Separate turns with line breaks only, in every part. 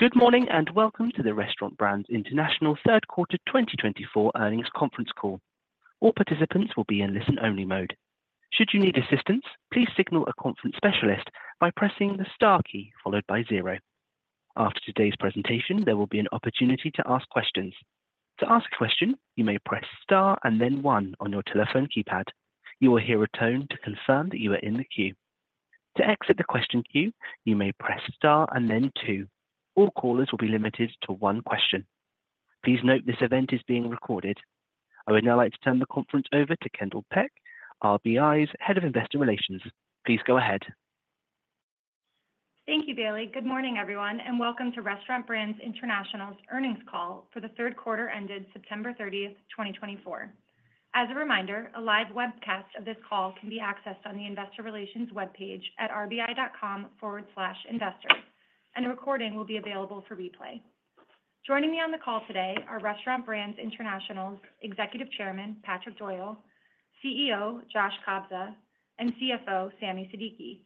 Good morning and welcome to the Restaurant Brands International Third Quarter 2024 Earnings Conference Call. All participants will be in listen-only mode. Should you need assistance, please signal a conference specialist by pressing the star key followed by zero. After today's presentation, there will be an opportunity to ask questions. To ask a question, you may press star and then one on your telephone keypad. You will hear a tone to confirm that you are in the queue. To exit the question queue, you may press star and then two. All callers will be limited to one question. Please note this event is being recorded. I would now like to turn the conference over to Kendall Peck, RBI's Head of Investor Relations. Please go ahead.
Thank you, Bailey. Good morning, everyone, and welcome to Restaurant Brands International's earnings call for the third quarter ended September 30, 2024. As a reminder, a live webcast of this call can be accessed on the Investor Relations webpage at rbi.com/investor, and a recording will be available for replay. Joining me on the call today are Restaurant Brands International's Executive Chairman, Patrick Doyle, CEO Josh Kobza, and CFO Sami Siddiqui.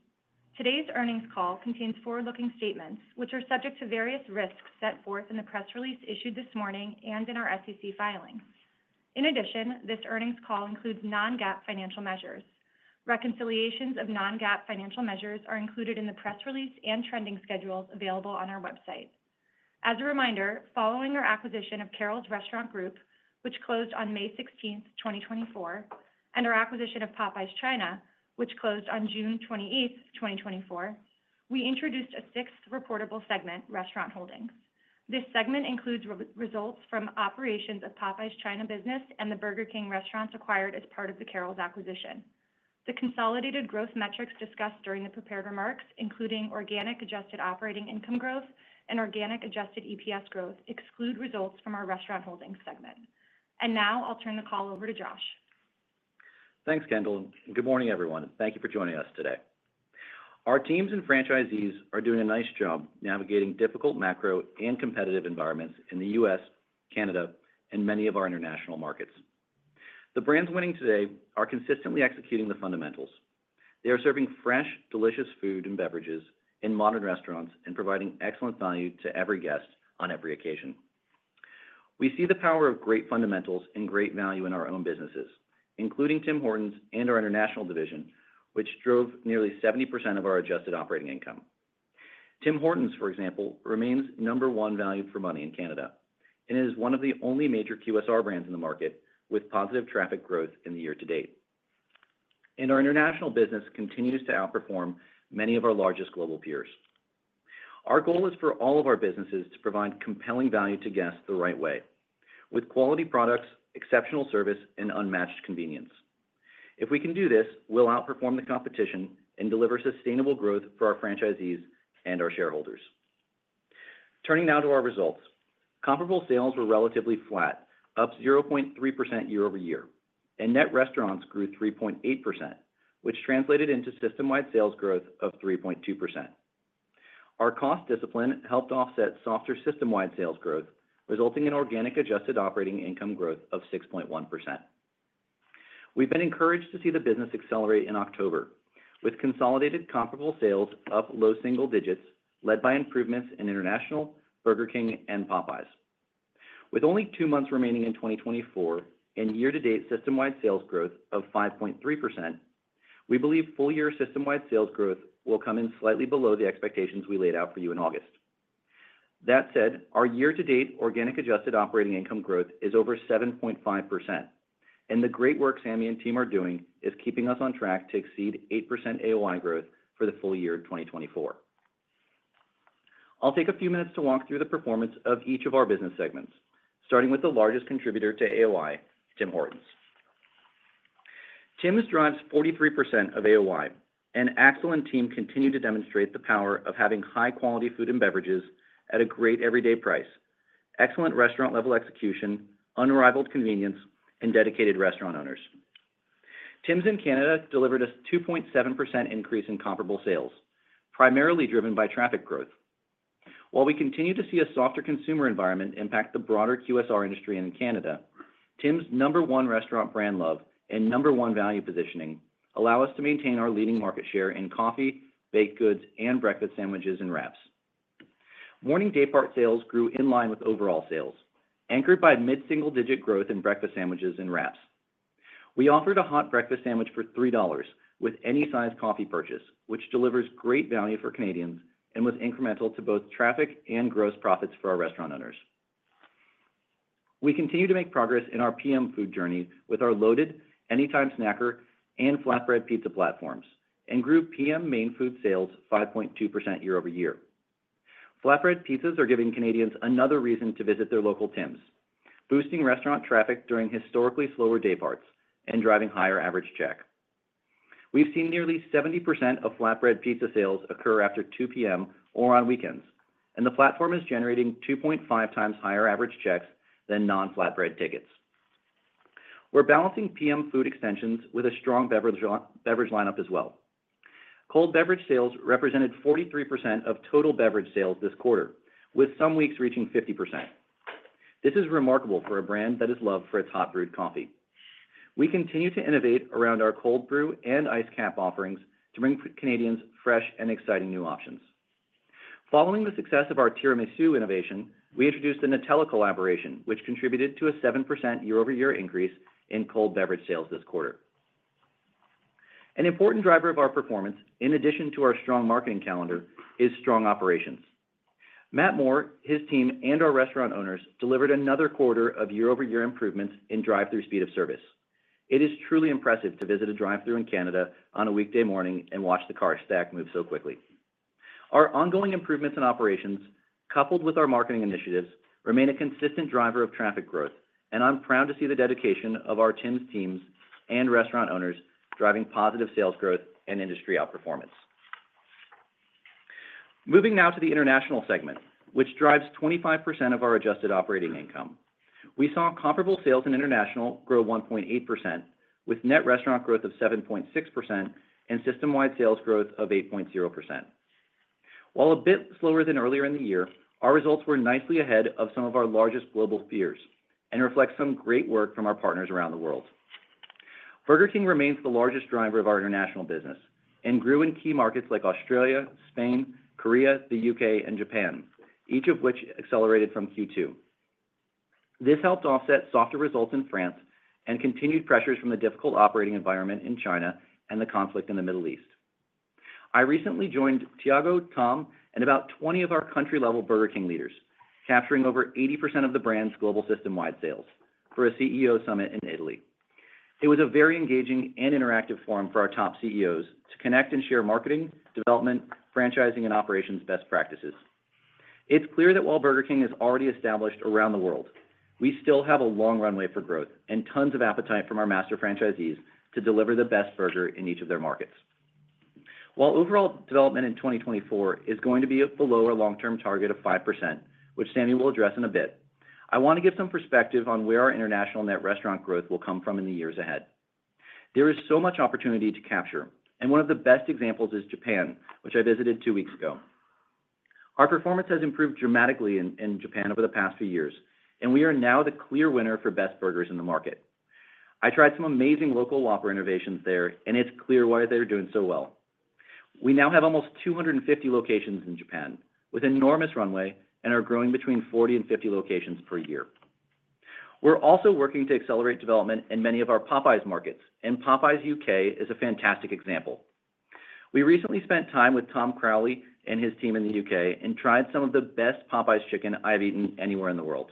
Today's earnings call contains forward-looking statements, which are subject to various risks set forth in the press release issued this morning and in our SEC filings. In addition, this earnings call includes non-GAAP financial measures. Reconciliations of non-GAAP financial measures are included in the press release and trending schedules available on our website. As a reminder, following our acquisition of Carrols Restaurant Group, which closed on May 16, 2024, and our acquisition of Popeyes China, which closed on June 28, 2024, we introduced a sixth reportable segment, Restaurant Holdings. This segment includes results from operations of Popeyes China business and the Burger King restaurants acquired as part of the Carrols acquisition. The consolidated growth metrics discussed during the prepared remarks, including organic adjusted operating income growth and organic adjusted EPS growth, exclude results from our Restaurant Holdings segment. And now I'll turn the call over to Josh.
Thanks, Kendall. Good morning, everyone, and thank you for joining us today. Our teams and franchisees are doing a nice job navigating difficult macro and competitive environments in the U.S., Canada, and many of our international markets. The brands winning today are consistently executing the fundamentals. They are serving fresh, delicious food and beverages in modern restaurants and providing excellent value to every guest on every occasion. We see the power of great fundamentals and great value in our own businesses, including Tim Hortons and our international division, which drove nearly 70% of our adjusted operating income. Tim Hortons, for example, remains number one value for money in Canada, and it is one of the only major QSR brands in the market with positive traffic growth in the year to date and our international business continues to outperform many of our largest global peers. Our goal is for all of our businesses to provide compelling value to guests the right way, with quality products, exceptional service, and unmatched convenience. If we can do this, we'll outperform the competition and deliver sustainable growth for our franchisees and our shareholders. Turning now to our results, comparable sales were relatively flat, up 0.3% year-over-year, and net restaurants grew 3.8%, which translated into system-wide sales growth of 3.2%. Our cost discipline helped offset softer system-wide sales growth, resulting in organic adjusted operating income growth of 6.1%. We've been encouraged to see the business accelerate in October, with consolidated comparable sales up low single digits, led by improvements in international, Burger King, and Popeyes. With only two months remaining in 2024 and year-to-date system-wide sales growth of 5.3%, we believe full-year system-wide sales growth will come in slightly below the expectations we laid out for you in August. That said, our year-to-date organic adjusted operating income growth is over 7.5%, and the great work Sami and team are doing is keeping us on track to exceed 8% AOI growth for the full year 2024. I'll take a few minutes to walk through the performance of each of our business segments, starting with the largest contributor to AOI, Tim Hortons. Tims drives 43% of AOI, and Axel and team continue to demonstrate the power of having high-quality food and beverages at a great everyday price, excellent restaurant-level execution, unrivaled convenience, and dedicated restaurant owners. Tims in Canada delivered a 2.7% increase in comparable sales, primarily driven by traffic growth. While we continue to see a softer consumer environment impact the broader QSR industry in Canada, Tims number one restaurant brand love and number one value positioning allow us to maintain our leading market share in coffee, baked goods, and breakfast sandwiches and wraps. Morning Daypart sales grew in line with overall sales, anchored by mid-single digit growth in breakfast sandwiches and wraps. We offered a hot breakfast sandwich for $3 with any size coffee purchase, which delivers great value for Canadians and was incremental to both traffic and gross profits for our restaurant owners. We continue to make progress in our PM food journey with our Loaded, Anytime Snacker and Flatbread Pizza platforms, and grew PM main food sales 5.2% year-over-year. Flatbread pizzas are giving Canadians another reason to visit their local Tims, boosting restaurant traffic during historically slower dayparts and driving higher average check. We've seen nearly 70% of flatbread pizza sales occur after 2 p.m. or on weekends, and the platform is generating 2.5 times higher average checks than non-flatbread tickets. We're balancing PM food extensions with a strong beverage lineup as well. Cold beverage sales represented 43% of total beverage sales this quarter, with some weeks reaching 50%. This is remarkable for a brand that is loved for its hot brewed coffee. We continue to innovate around our cold brew and Iced Capp offerings to bring Canadians fresh and exciting new options. Following the success of our Tiramisu innovation, we introduced the Nutella collaboration, which contributed to a 7% year-over-year increase in cold beverage sales this quarter. An important driver of our performance, in addition to our strong marketing calendar, is strong operations. Matt Moore, his team, and our restaurant owners delivered another quarter of year-over-year improvements in drive-through speed of service. It is truly impressive to visit a drive-through in Canada on a weekday morning and watch the car stack move so quickly. Our ongoing improvements in operations, coupled with our marketing initiatives, remain a consistent driver of traffic growth, and I'm proud to see the dedication of our Tims teams and restaurant owners driving positive sales growth and industry outperformance. Moving now to the international segment, which drives 25% of our adjusted operating income. We saw comparable sales in international grow 1.8%, with net restaurant growth of 7.6% and system-wide sales growth of 8.0%. While a bit slower than earlier in the year, our results were nicely ahead of some of our largest global peers and reflect some great work from our partners around the world. Burger King remains the largest driver of our international business and grew in key markets like Australia, Spain, Korea, the U.K., and Japan, each of which accelerated from Q2. This helped offset softer results in France and continued pressures from the difficult operating environment in China and the conflict in the Middle East. I recently joined Thiago, Tom, and about 20 of our country-level Burger King leaders, capturing over 80% of the brand's global system-wide sales for a CEO summit in Italy. It was a very engaging and interactive forum for our top CEOs to connect and share marketing, development, franchising, and operations best practices. It's clear that while Burger King is already established around the world, we still have a long runway for growth and tons of appetite from our master franchisees to deliver the best burger in each of their markets. While overall development in 2024 is going to be below our long-term target of 5%, which Sami will address in a bit, I want to give some perspective on where our international net restaurant growth will come from in the years ahead. There is so much opportunity to capture, and one of the best examples is Japan, which I visited two weeks ago. Our performance has improved dramatically in Japan over the past few years, and we are now the clear winner for best burgers in the market. I tried some amazing local Whopper innovations there, and it's clear why they're doing so well. We now have almost 250 locations in Japan with enormous runway and are growing between 40 and 50 locations per year. We're also working to accelerate development in many of our Popeyes markets, and Popeyes U.K. is a fantastic example. We recently spent time with Tom Crowley and his team in the U.K. and tried some of the best Popeyes chicken I've eaten anywhere in the world.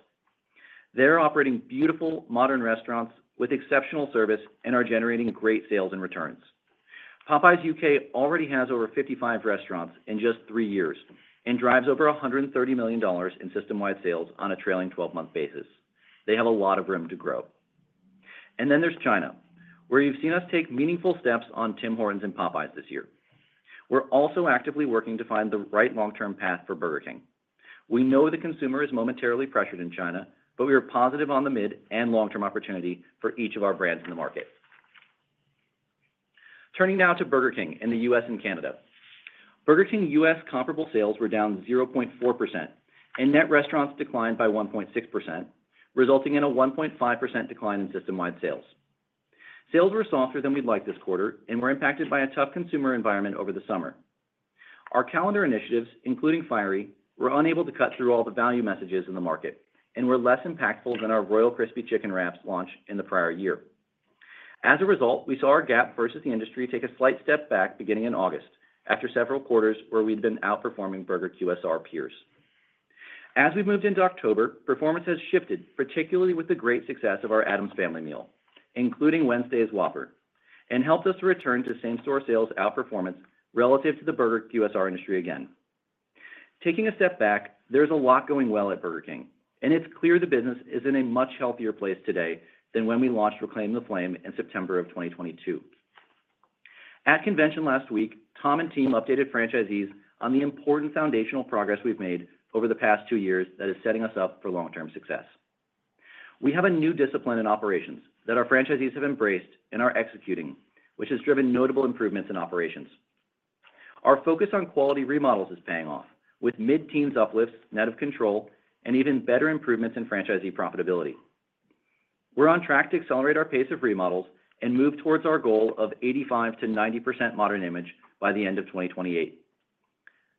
They're operating beautiful modern restaurants with exceptional service and are generating great sales and returns. Popeyes U.K. already has over 55 restaurants in just three years and drives over $130 million in system-wide sales on a trailing 12-month basis. They have a lot of room to grow, and then there's China, where you've seen us take meaningful steps on Tim Hortons and Popeyes this year. We're also actively working to find the right long-term path for Burger King. We know the consumer is momentarily pressured in China, but we are positive on the mid and long-term opportunity for each of our brands in the market. Turning now to Burger King in the U.S. and Canada. Burger King U.S. comparable sales were down 0.4%, and net restaurants declined by 1.6%, resulting in a 1.5% decline in system-wide sales. Sales were softer than we'd like this quarter and were impacted by a tough consumer environment over the summer. Our calendar initiatives, including Fiery, were unable to cut through all the value messages in the market and were less impactful than our Royal Crispy Chicken Wraps launch in the prior year. As a result, we saw our gap versus the industry take a slight step back beginning in August after several quarters where we'd been outperforming burger QSR peers. As we moved into October, performance has shifted, particularly with the great success of our Addams Family Meal, including Wednesday's Whopper, and helped us to return to same-store sales outperformance relative to the burger QSR industry again. Taking a step back, there's a lot going well at Burger King, and it's clear the business is in a much healthier place today than when we launched Reclaim the Flame in September of 2022. At convention last week, Tom and team updated franchisees on the important foundational progress we've made over the past two years that is setting us up for long-term success. We have a new discipline in operations that our franchisees have embraced and are executing, which has driven notable improvements in operations. Our focus on quality remodels is paying off, with mid-teens uplifts, net of control, and even better improvements in franchisee profitability. We're on track to accelerate our pace of remodels and move towards our goal of 85%-90% modern image by the end of 2028.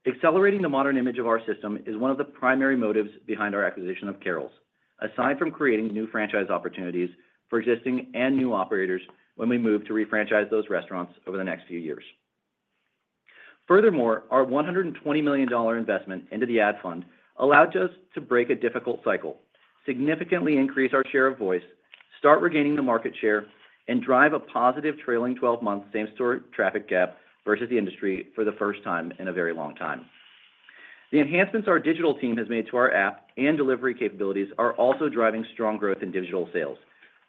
Accelerating the modern image of our system is one of the primary motives behind our acquisition of Carrols, aside from creating new franchise opportunities for existing and new operators when we move to refranchise those restaurants over the next few years. Furthermore, our $120 million investment into the ad fund allowed us to break a difficult cycle, significantly increase our share of voice, start regaining the market share, and drive a positive trailing 12-month same-store traffic gap versus the industry for the first time in a very long time. The enhancements our digital team has made to our app and delivery capabilities are also driving strong growth in digital sales,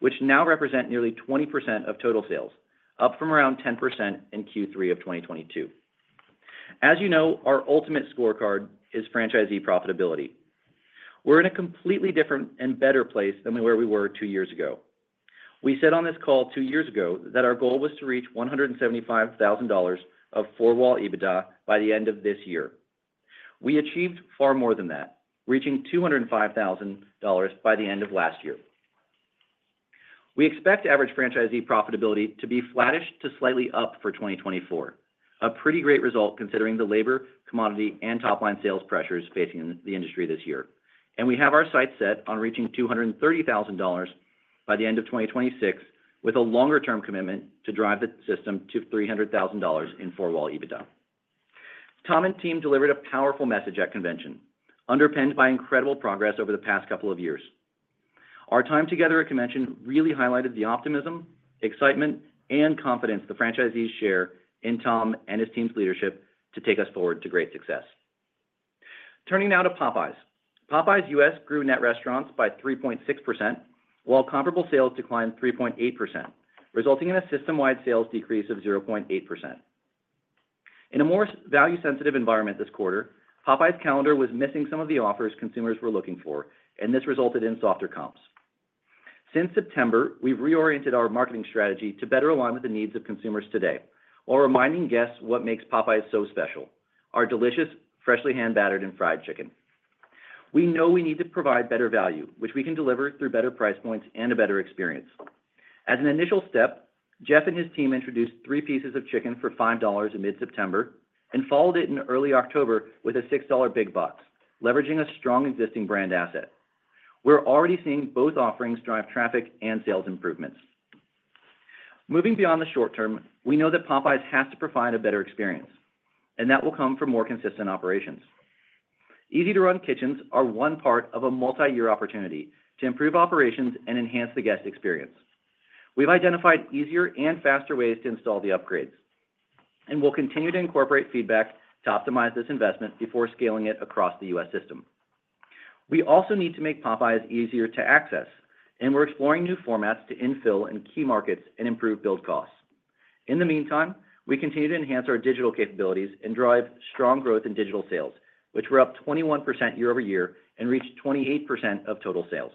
which now represent nearly 20% of total sales, up from around 10% in Q3 of 2022. As you know, our ultimate scorecard is franchisee profitability. We're in a completely different and better place than where we were two years ago. We said on this call two years ago that our goal was to reach $175,000 of Four-Wall EBITDA by the end of this year. We achieved far more than that, reaching $205,000 by the end of last year. We expect average franchisee profitability to be flattish to slightly up for 2024, a pretty great result considering the labor, commodity, and top-line sales pressures facing the industry this year. And we have our sights set on reaching $230,000 by the end of 2026, with a longer-term commitment to drive the system to $300,000 in Four-Wall EBITDA. Tom and team delivered a powerful message at convention, underpinned by incredible progress over the past couple of years. Our time together at convention really highlighted the optimism, excitement, and confidence the franchisees share in Tom and his team's leadership to take us forward to great success. Turning now to Popeyes. Popeyes U.S. grew net restaurants by 3.6%, while comparable sales declined 3.8%, resulting in a system-wide sales decrease of 0.8%. In a more value-sensitive environment this quarter, Popeyes' calendar was missing some of the offers consumers were looking for, and this resulted in softer comps. Since September, we've reoriented our marketing strategy to better align with the needs of consumers today while reminding guests what makes Popeyes so special: our delicious, freshly hand-battered and fried chicken. We know we need to provide better value, which we can deliver through better price points and a better experience. As an initial step, Jeff and his team introduced three pieces of chicken for $5 in mid-September and followed it in early October with a $6 Big Box, leveraging a strong existing brand asset. We're already seeing both offerings drive traffic and sales improvements. Moving beyond the short term, we know that Popeyes has to provide a better experience, and that will come from more consistent operations. Easy-to-run kitchens are one part of a multi-year opportunity to improve operations and enhance the guest experience. We've identified easier and faster ways to install the upgrades, and we'll continue to incorporate feedback to optimize this investment before scaling it across the U.S. system. We also need to make Popeyes easier to access, and we're exploring new formats to infill in key markets and improve build costs. In the meantime, we continue to enhance our digital capabilities and drive strong growth in digital sales, which were up 21% year-over-year and reached 28% of total sales.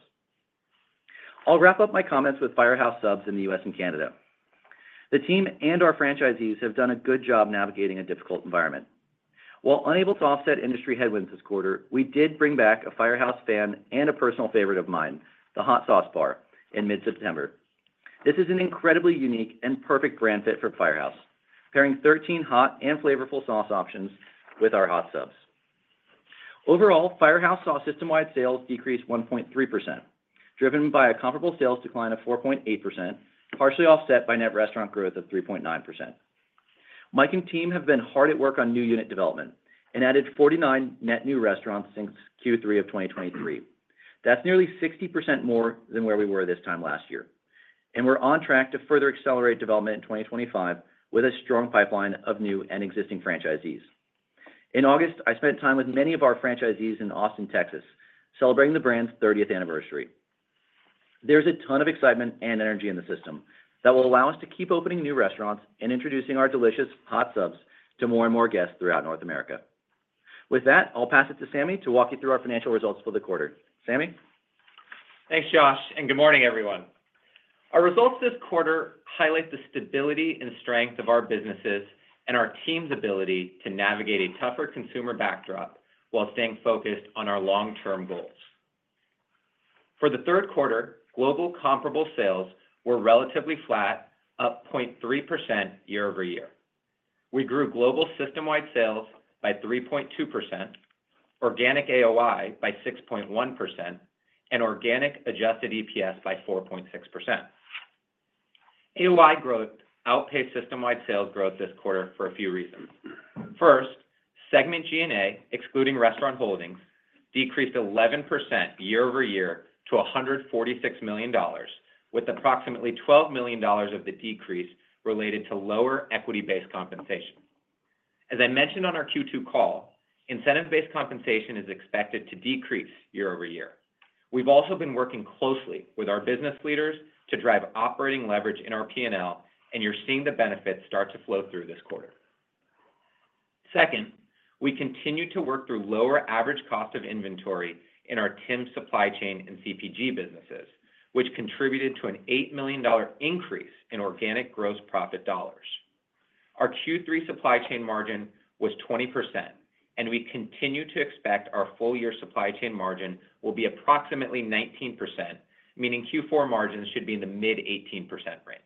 I'll wrap up my comments with Firehouse Subs in the U.S. and Canada. The team and our franchisees have done a good job navigating a difficult environment. While unable to offset industry headwinds this quarter, we did bring back a Firehouse fan and a personal favorite of mine, the Hot Sauce Bar, in mid-September. This is an incredibly unique and perfect brand fit for Firehouse, pairing 13 hot and flavorful sauce options with our hot subs. Overall, Firehouse saw system-wide sales decrease 1.3%, driven by a comparable sales decline of 4.8%, partially offset by net restaurant growth of 3.9%. Mike and team have been hard at work on new unit development and added 49 net new restaurants since Q3 of 2023. That's nearly 60% more than where we were this time last year. And we're on track to further accelerate development in 2025 with a strong pipeline of new and existing franchisees. In August, I spent time with many of our franchisees in Austin, Texas, celebrating the brand's 30th anniversary. There's a ton of excitement and energy in the system that will allow us to keep opening new restaurants and introducing our delicious hot subs to more and more guests throughout North America. With that, I'll pass it to Sami to walk you through our financial results for the quarter. Sami.
Thanks, Josh, and good morning, everyone. Our results this quarter highlight the stability and strength of our businesses and our team's ability to navigate a tougher consumer backdrop while staying focused on our long-term goals. For the third quarter, global comparable sales were relatively flat, up 0.3% year-over-year. We grew global system-wide sales by 3.2%, organic AOI by 6.1%, and organic adjusted EPS by 4.6%. AOI growth outpaced system-wide sales growth this quarter for a few reasons. First, Segment G&A, excluding Restaurant Holdings, decreased 11% year-over-year to $146 million, with approximately $12 million of the decrease related to lower equity-based compensation. As I mentioned on our Q2 call, incentive-based compensation is expected to decrease year-over-year. We've also been working closely with our business leaders to drive operating leverage in our P&L, and you're seeing the benefits start to flow through this quarter. Second, we continue to work through lower average cost of inventory in our Tim Hortons supply chain and CPG businesses, which contributed to an $8 million increase in organic gross profit dollars. Our Q3 supply chain margin was 20%, and we continue to expect our full-year supply chain margin will be approximately 19%, meaning Q4 margins should be in the mid-18% range.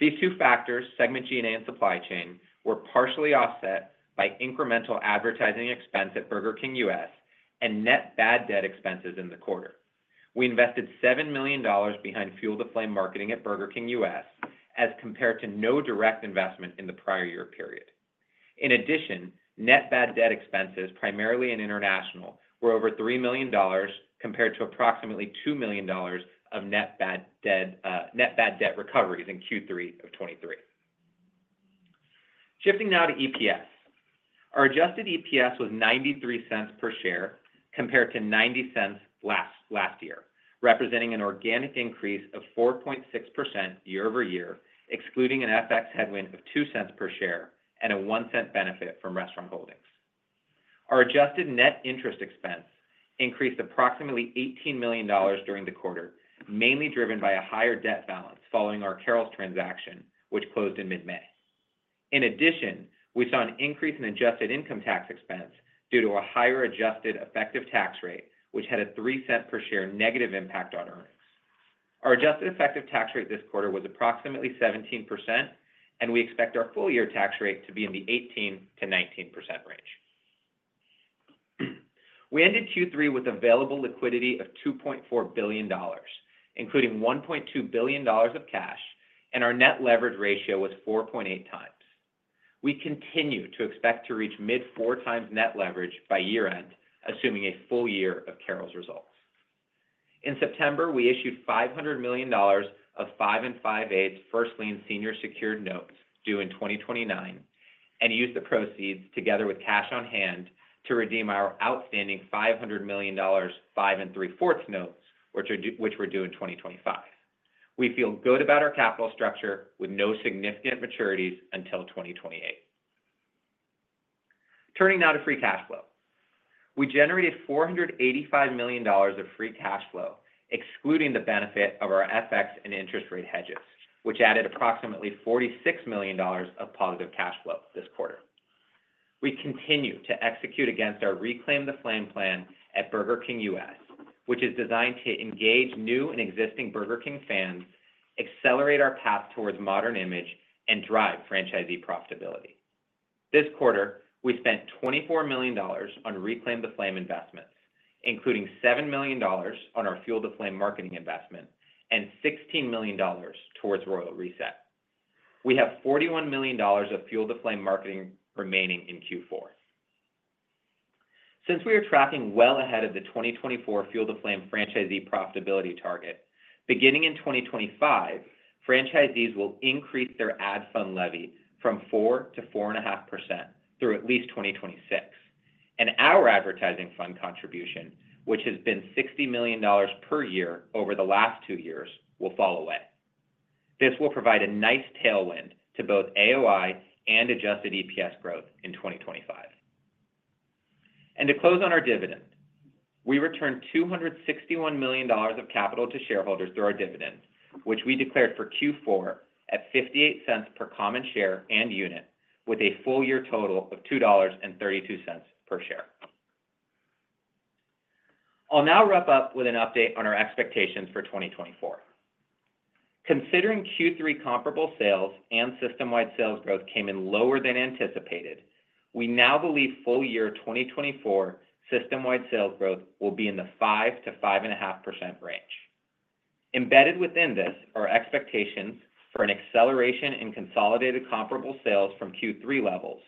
These two factors, segment G&A and supply chain, were partially offset by incremental advertising expense at Burger King U.S. and net bad debt expenses in the quarter. We invested $7 million behind Fuel the Flame marketing at Burger King U.S. as compared to no direct investment in the prior year period. In addition, net bad debt expenses, primarily in international, were over $3 million compared to approximately $2 million of net bad debt recoveries in Q3 of 2023. Shifting now to EPS. Our adjusted EPS was $0.93 per share compared to $0.90 last year, representing an organic increase of 4.6% year-over-year, excluding an FX headwind of $0.02 per share and a $0.01 benefit from Restaurant Holdings. Our adjusted net interest expense increased approximately $18 million during the quarter, mainly driven by a higher debt balance following our Carrols transaction, which closed in mid-May. In addition, we saw an increase in adjusted income tax expense due to a higher adjusted effective tax rate, which had a $0.03 per share negative impact on earnings. Our adjusted effective tax rate this quarter was approximately 17%, and we expect our full-year tax rate to be in the 18%-19% range. We ended Q3 with available liquidity of $2.4 billion, including $1.2 billion of cash, and our net leverage ratio was 4.8 times. We continue to expect to reach mid-4 times net leverage by year-end, assuming a full year of Carrols results. In September, we issued $500 million of five and 5/8 First Lien Senior Secured Notes due in 2029 and used the proceeds together with cash on hand to redeem our outstanding $500 million five and 3/4 notes, which were due in 2025. We feel good about our capital structure with no significant maturities until 2028. Turning now to free cash flow. We generated $485 million of free cash flow, excluding the benefit of our FX and interest rate hedges, which added approximately $46 million of positive cash flow this quarter. We continue to execute against our Reclaim the Flame plan at Burger King U.S., which is designed to engage new and existing Burger King fans, accelerate our path towards modern image, and drive franchisee profitability. This quarter, we spent $24 million on Reclaim the Flame investments, including $7 million on our Fuel the Flame marketing investment and $16 million towards Royal Reset. We have $41 million of Fuel the Flame marketing remaining in Q4. Since we are tracking well ahead of the 2024 Fuel the Flame franchisee profitability target, beginning in 2025, franchisees will increase their ad fund levy from 4% to 4.5% through at least 2026. Our advertising fund contribution, which has been $60 million per year over the last two years, will fall away. This will provide a nice tailwind to both AOI and adjusted EPS growth in 2025. To close on our dividend, we returned $261 million of capital to shareholders through our dividend, which we declared for Q4 at $0.58 per common share and unit, with a full-year total of $2.32 per share. I'll now wrap up with an update on our expectations for 2024. Considering Q3 comparable sales and system-wide sales growth came in lower than anticipated, we now believe full-year 2024 system-wide sales growth will be in the 5%-5.5% range. Embedded within this are expectations for an acceleration in consolidated comparable sales from Q3 levels,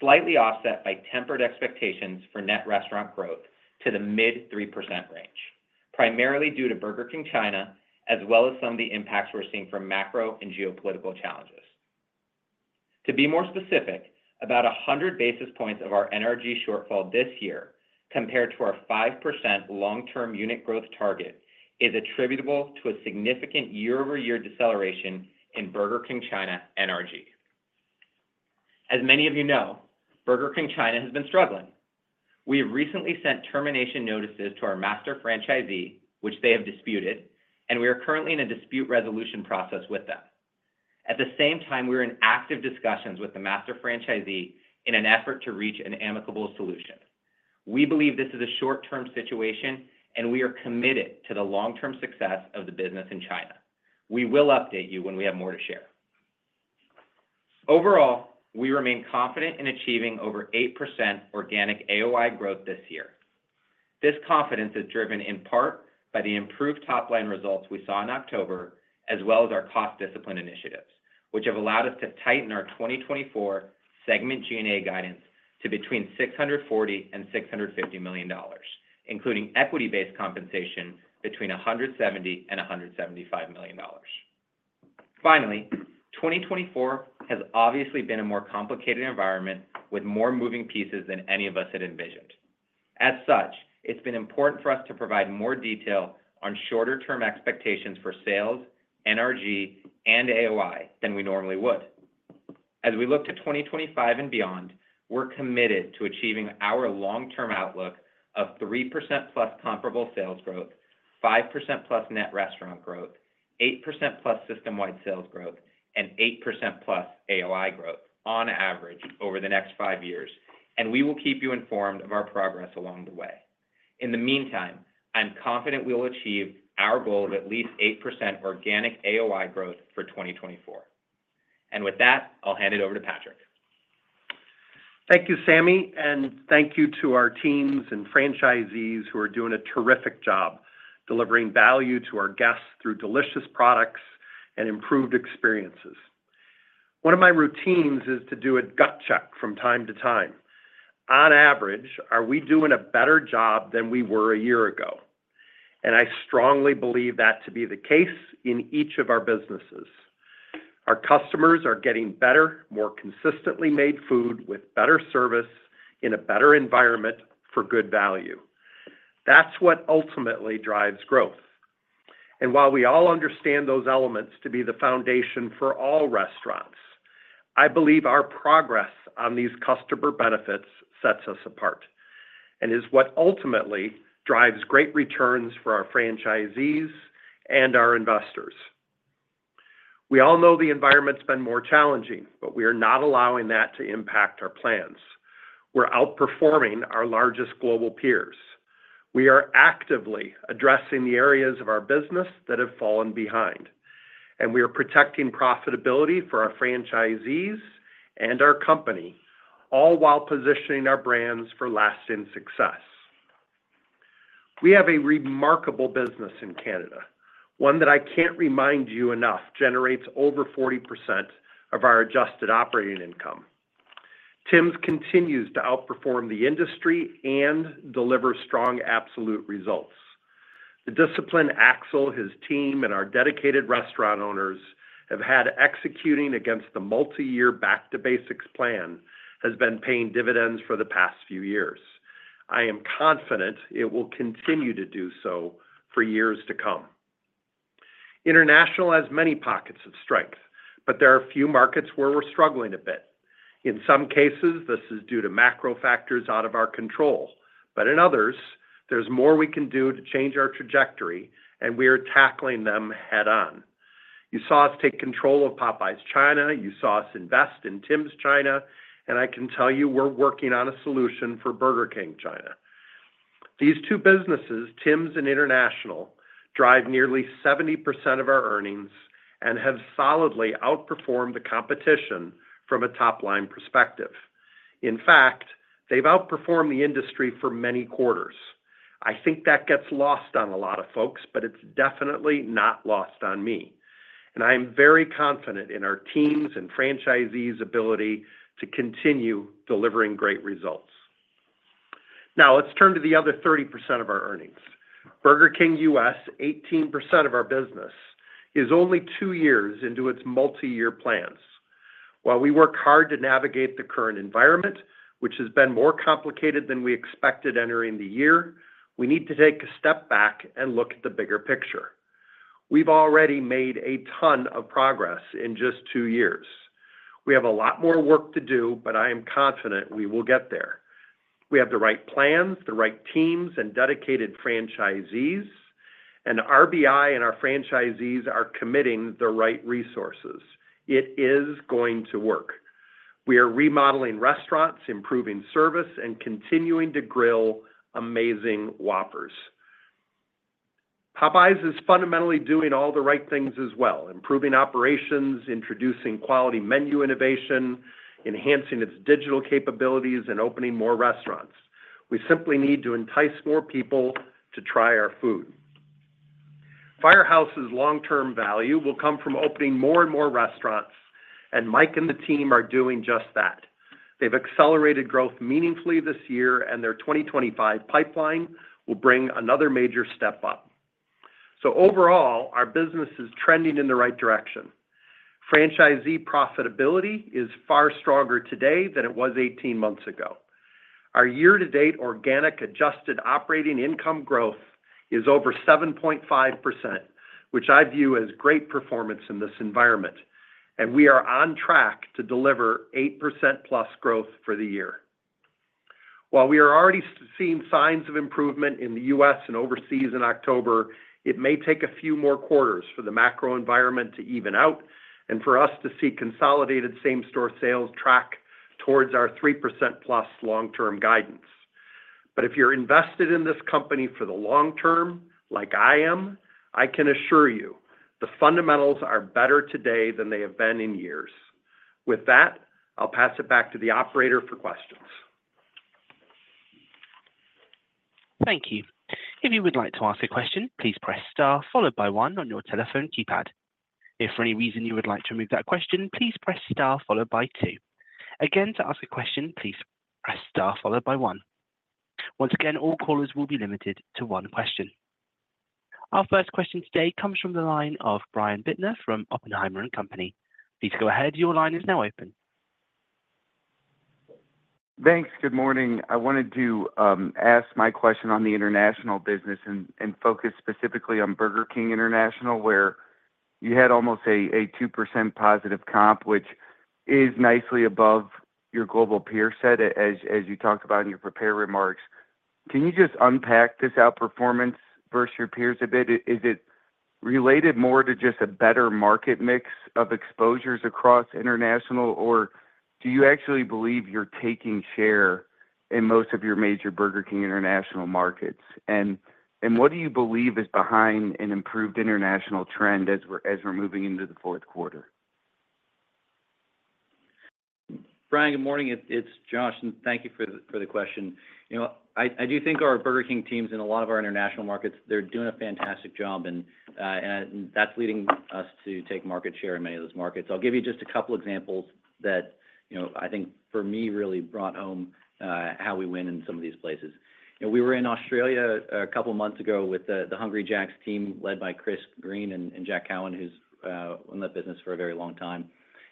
slightly offset by tempered expectations for net restaurant growth to the mid-3% range, primarily due to Burger King China, as well as some of the impacts we're seeing from macro and geopolitical challenges. To be more specific, about 100 basis points of our NRG shortfall this year compared to our 5% long-term unit growth target is attributable to a significant year-over-year deceleration in Burger King China NRG. As many of you know, Burger King China has been struggling. We have recently sent termination notices to our master franchisee, which they have disputed, and we are currently in a dispute resolution process with them. At the same time, we are in active discussions with the master franchisee in an effort to reach an amicable solution. We believe this is a short-term situation, and we are committed to the long-term success of the business in China. We will update you when we have more to share. Overall, we remain confident in achieving over 8% organic AOI growth this year. This confidence is driven in part by the improved top-line results we saw in October, as well as our cost discipline initiatives, which have allowed us to tighten our 2024 segment G&A guidance to between $640-$650 million, including equity-based compensation between $170-$175 million. Finally, 2024 has obviously been a more complicated environment with more moving pieces than any of us had envisioned. As such, it's been important for us to provide more detail on shorter-term expectations for sales, NRG, and AOI than we normally would. As we look to 2025 and beyond, we're committed to achieving our long-term outlook of 3% plus comparable sales growth, 5% plus net restaurant growth, 8% plus system-wide sales growth, and 8% plus AOI growth on average over the next five years, and we will keep you informed of our progress along the way. In the meantime, I'm confident we will achieve our goal of at least 8% organic AOI growth for 2024. And with that, I'll hand it over to Patrick.
Thank you, Sami, and thank you to our teams and franchisees who are doing a terrific job delivering value to our guests through delicious products and improved experiences. One of my routines is to do a gut check from time to time. On average, are we doing a better job than we were a year ago? I strongly believe that to be the case in each of our businesses. Our customers are getting better, more consistently made food with better service in a better environment for good value. That's what ultimately drives growth. While we all understand those elements to be the foundation for all restaurants, I believe our progress on these customer benefits sets us apart and is what ultimately drives great returns for our franchisees and our investors. We all know the environment's been more challenging, but we are not allowing that to impact our plans. We're outperforming our largest global peers. We are actively addressing the areas of our business that have fallen behind, and we are protecting profitability for our franchisees and our company, all while positioning our brands for lasting success. We have a remarkable business in Canada, one that I can't remind you enough generates over 40% of our adjusted operating income. Tims continues to outperform the industry and deliver strong absolute results. The discipline Axel, his team, and our dedicated restaurant owners have had executing against the multi-year back-to-basics plan has been paying dividends for the past few years. I am confident it will continue to do so for years to come. International has many pockets of strength, but there are a few markets where we're struggling a bit. In some cases, this is due to macro factors out of our control, but in others, there's more we can do to change our trajectory, and we are tackling them head-on. You saw us take control of Popeyes China, you saw us invest in Tims China, and I can tell you we're working on a solution for Burger King China. These two businesses, Tims and International, drive nearly 70% of our earnings and have solidly outperformed the competition from a top-line perspective. In fact, they've outperformed the industry for many quarters. I think that gets lost on a lot of folks, but it's definitely not lost on me. And I am very confident in our teams and franchisees' ability to continue delivering great results. Now, let's turn to the other 30% of our earnings. Burger King U.S., 18% of our business, is only two years into its multi-year plans. While we work hard to navigate the current environment, which has been more complicated than we expected entering the year, we need to take a step back and look at the bigger picture. We've already made a ton of progress in just two years. We have a lot more work to do, but I am confident we will get there. We have the right plans, the right teams, and dedicated franchisees, and RBI and our franchisees are committing the right resources. It is going to work. We are remodeling restaurants, improving service, and continuing to grill amazing Whoppers. Popeyes is fundamentally doing all the right things as well, improving operations, introducing quality menu innovation, enhancing its digital capabilities, and opening more restaurants. We simply need to entice more people to try our food. Firehouse's long-term value will come from opening more and more restaurants, and Mike and the team are doing just that. They've accelerated growth meaningfully this year, and their 2025 pipeline will bring another major step up. So overall, our business is trending in the right direction. Franchisee profitability is far stronger today than it was 18 months ago. Our year-to-date organic adjusted operating income growth is over 7.5%, which I view as great performance in this environment. We are on track to deliver 8% plus growth for the year. While we are already seeing signs of improvement in the U.S. and overseas in October, it may take a few more quarters for the macro environment to even out and for us to see consolidated same-store sales track towards our 3% plus long-term guidance. If you're invested in this company for the long term, like I am, I can assure you the fundamentals are better today than they have been in years. With that, I'll pass it back to the operator for questions.
Thank you. If you would like to ask a question, please press star followed by one on your telephone keypad. If for any reason you would like to remove that question, please press star followed by two. Again, to ask a question, please press star followed by one. Once again, all callers will be limited to one question. Our first question today comes from the line of Brian Bittner from Oppenheimer & Co. Please go ahead. Your line is now open.
Thanks. Good morning. I wanted to ask my question on the international business and focus specifically on Burger King International, where you had almost a 2% positive comp, which is nicely above your global peer set, as you talked about in your prepared remarks. Can you just unpack this outperformance versus your peers a bit? Is it related more to just a better market mix of exposures across international, or do you actually believe you're taking share in most of your major Burger King international markets? And what do you believe is behind an improved international trend as we're moving into the fourth quarter?
Brian, good morning. It's Josh, and thank you for the question. I do think our Burger King teams in a lot of our international markets, they're doing a fantastic job, and that's leading us to take market share in many of those markets. I'll give you just a couple of examples that I think for me really brought home how we win in some of these places. We were in Australia a couple of months ago with the Hungry Jack's team led by Chris Green and Jack Cowin, who's in that business for a very long time.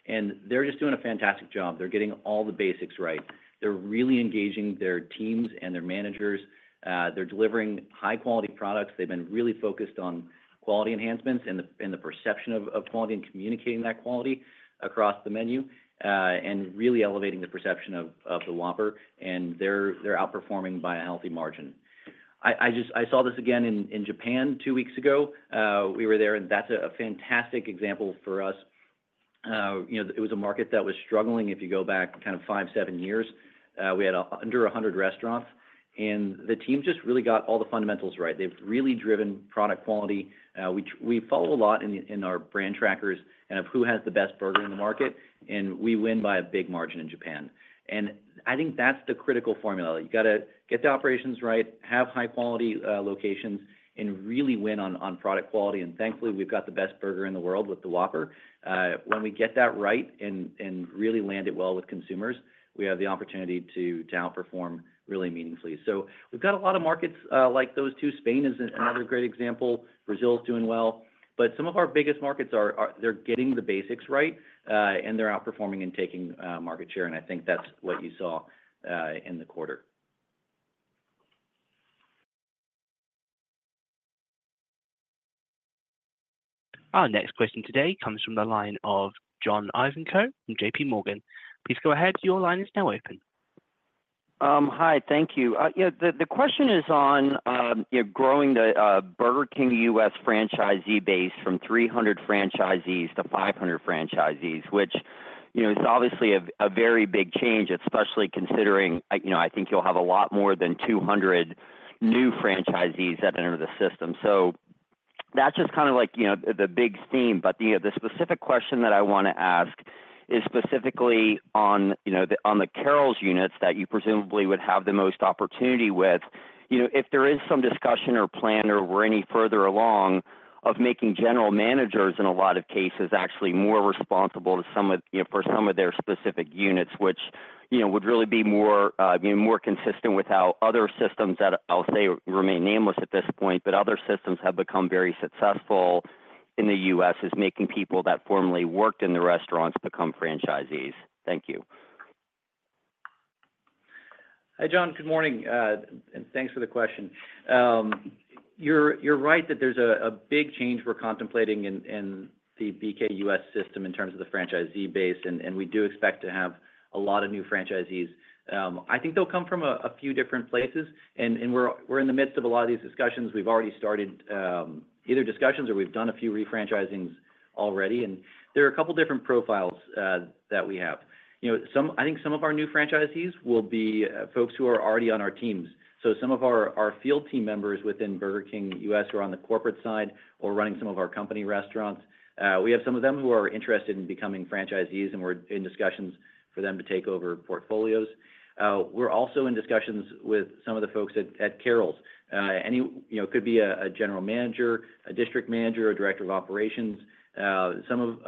And they're just doing a fantastic job. They're getting all the basics right. They're really engaging their teams and their managers. They're delivering high-quality products. They've been really focused on quality enhancements and the perception of quality and communicating that quality across the menu and really elevating the perception of the Whopper. And they're outperforming by a healthy margin. I saw this again in Japan two weeks ago. We were there, and that's a fantastic example for us. It was a market that was struggling. If you go back kind of five, seven years, we had under 100 restaurants, and the team just really got all the fundamentals right. They've really driven product quality. We follow a lot in our brand trackers and of who has the best burger in the market, and we win by a big margin in Japan. And I think that's the critical formula. You got to get the operations right, have high-quality locations, and really win on product quality. And thankfully, we've got the best burger in the world with the Whopper. When we get that right and really land it well with consumers, we have the opportunity to outperform really meaningfully. So we've got a lot of markets like those two. Spain is another great example. Brazil is doing well, but some of our biggest markets, they're getting the basics right, and they're outperforming and taking market share, and I think that's what you saw in the quarter.
Our next question today comes from the line of John Ivankoe from J.P. Morgan. Please go ahead. Your line is now open.
Hi, thank you. The question is on growing the Burger King U.S. franchisee base from 300 franchisees to 500 franchisees, which is obviously a very big change, especially considering I think you'll have a lot more than 200 new franchisees that enter the system, so that's just kind of like the big theme, but the specific question that I want to ask is specifically on the Carrols units that you presumably would have the most opportunity with. If there is some discussion or plan or we're any further along of making general managers in a lot of cases actually more responsible for some of their specific units, which would really be more consistent with how other systems that I'll say remain nameless at this point, but other systems have become very successful in the U.S. is making people that formerly worked in the restaurants become franchisees? Thank you.
Hi, John. Good morning. And thanks for the question. You're right that there's a big change we're contemplating in the BK U.S. system in terms of the franchisee base, and we do expect to have a lot of new franchisees. I think they'll come from a few different places, and we're in the midst of a lot of these discussions. We've already started either discussions or we've done a few refranchisings already. There are a couple of different profiles that we have. I think some of our new franchisees will be folks who are already on our teams. So some of our field team members within Burger King U.S. who are on the corporate side or running some of our company restaurants, we have some of them who are interested in becoming franchisees, and we're in discussions for them to take over portfolios. We're also in discussions with some of the folks at Carrols. It could be a general manager, a district manager, or director of operations. Some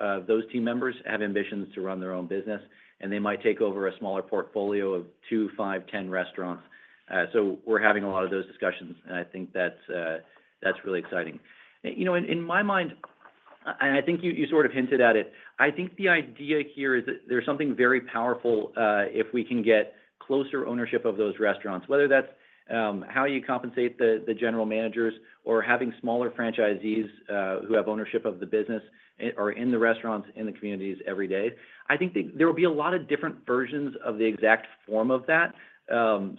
of those team members have ambitions to run their own business, and they might take over a smaller portfolio of two, five, 10 restaurants. So we're having a lot of those discussions, and I think that's really exciting. In my mind, and I think you sort of hinted at it, I think the idea here is that there's something very powerful if we can get closer ownership of those restaurants, whether that's how you compensate the general managers or having smaller franchisees who have ownership of the business or in the restaurants in the communities every day. I think there will be a lot of different versions of the exact form of that.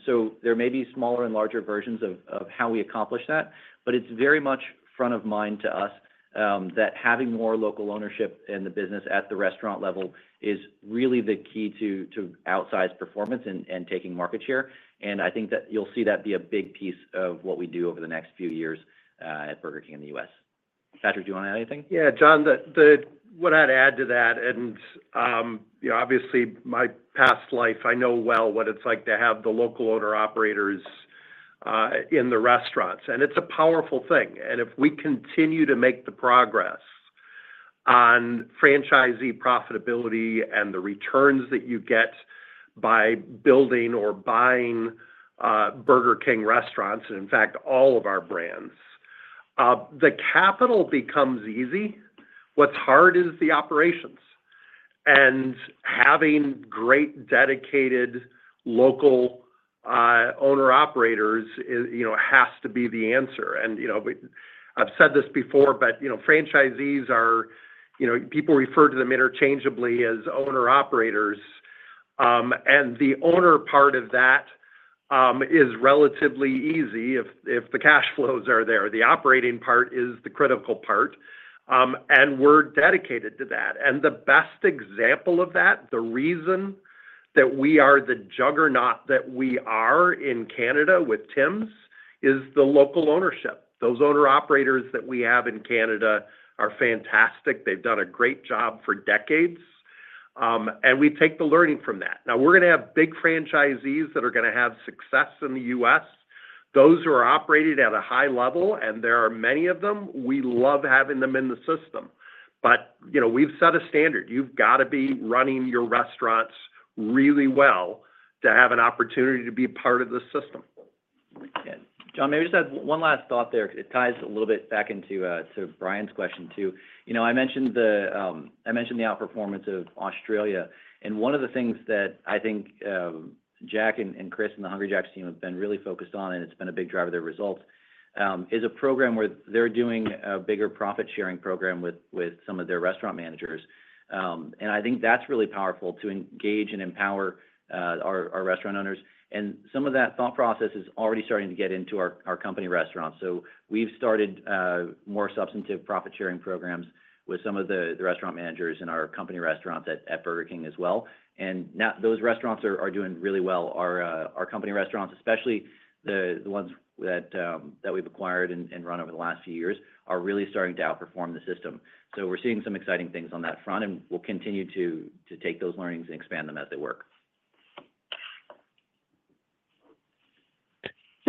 So there may be smaller and larger versions of how we accomplish that, but it's very much front of mind to us that having more local ownership in the business at the restaurant level is really the key to outsized performance and taking market share. And I think that you'll see that be a big piece of what we do over the next few years at Burger King in the U.S. Patrick, do you want to add anything?
Yeah, John, what I'd add to that, and obviously, my past life, I know well what it's like to have the local owner-operators in the restaurants. And it's a powerful thing. And if we continue to make the progress on franchisee profitability and the returns that you get by building or buying Burger King restaurants, and in fact, all of our brands, the capital becomes easy. What's hard is the operations. And having great dedicated local owner-operators has to be the answer. And I've said this before, but franchisees are people refer to them interchangeably as owner-operators. And the owner part of that is relatively easy if the cash flows are there. The operating part is the critical part. And we're dedicated to that. And the best example of that, the reason that we are the juggernaut that we are in Canada with Tim is the local ownership. Those owner-operators that we have in Canada are fantastic. They've done a great job for decades. And we take the learning from that. Now, we're going to have big franchisees that are going to have success in the U.S. Those who are operated at a high level, and there are many of them, we love having them in the system. But we've set a standard. You've got to be running your restaurants really well to have an opportunity to be part of the system.
John, maybe just one last thought there because it ties a little bit back into Brian's question too. I mentioned the outperformance of Australia. One of the things that I think Jack and Chris and the Hungry Jack's team have been really focused on, and it's been a big driver of their results, is a program where they're doing a bigger profit-sharing program with some of their restaurant managers. I think that's really powerful to engage and empower our restaurant owners. Some of that thought process is already starting to get into our company restaurants. We've started more substantive profit-sharing programs with some of the restaurant managers in our company restaurants at Burger King as well. Those restaurants are doing really well. Our company restaurants, especially the ones that we've acquired and run over the last few years, are really starting to outperform the system. We're seeing some exciting things on that front, and we'll continue to take those learnings and expand them as they work.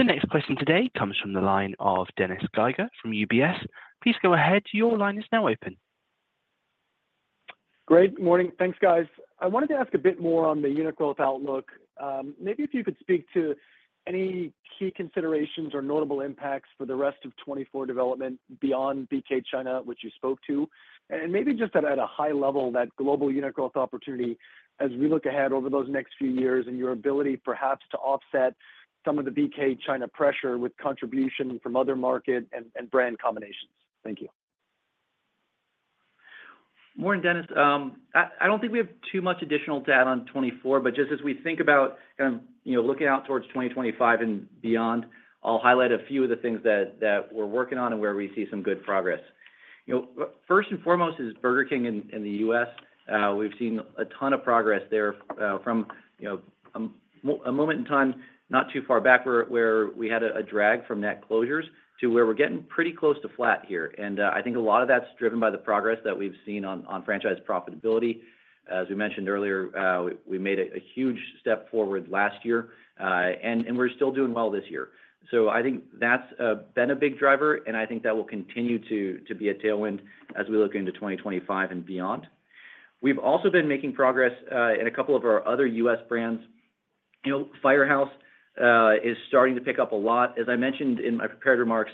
The next question today comes from the line of Dennis Geiger from UBS. Please go ahead. Your line is now open.
Great. Good morning. Thanks, guys. I wanted to ask a bit more on the uni growth outlook. Maybe if you could speak to any key considerations or notable impacts for the rest of 2024 development beyond BK China, which you spoke to, and maybe just at a high level that global uni growth opportunity as we look ahead over those next few years and your ability perhaps to offset some of the BK China pressure with contribution from other market and brand combinations. Thank you.
Morning, Dennis. I don't think we have too much additional data on 2024, but just as we think about kind of looking out towards 2025 and beyond, I'll highlight a few of the things that we're working on and where we see some good progress. First and foremost is Burger King in the U.S. We've seen a ton of progress there from a moment in time not too far back where we had a drag from net closures to where we're getting pretty close to flat here. And I think a lot of that's driven by the progress that we've seen on franchise profitability. As we mentioned earlier, we made a huge step forward last year, and we're still doing well this year. So I think that's been a big driver, and I think that will continue to be a tailwind as we look into 2025 and beyond. We've also been making progress in a couple of our other U.S. brands. Firehouse is starting to pick up a lot. As I mentioned in my prepared remarks,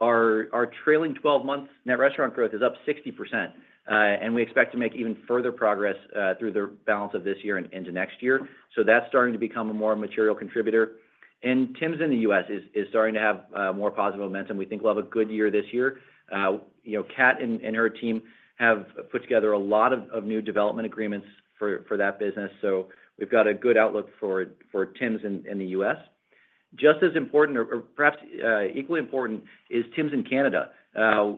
our trailing 12-month net restaurant growth is up 60%, and we expect to make even further progress through the balance of this year and into next year. So that's starting to become a more material contributor. And Tims in the U.S. is starting to have more positive momentum. We think we'll have a good year this year. Kat and her team have put together a lot of new development agreements for that business. So we've got a good outlook for Tims in the U.S. Just as important, or perhaps equally important, is Tims in Canada.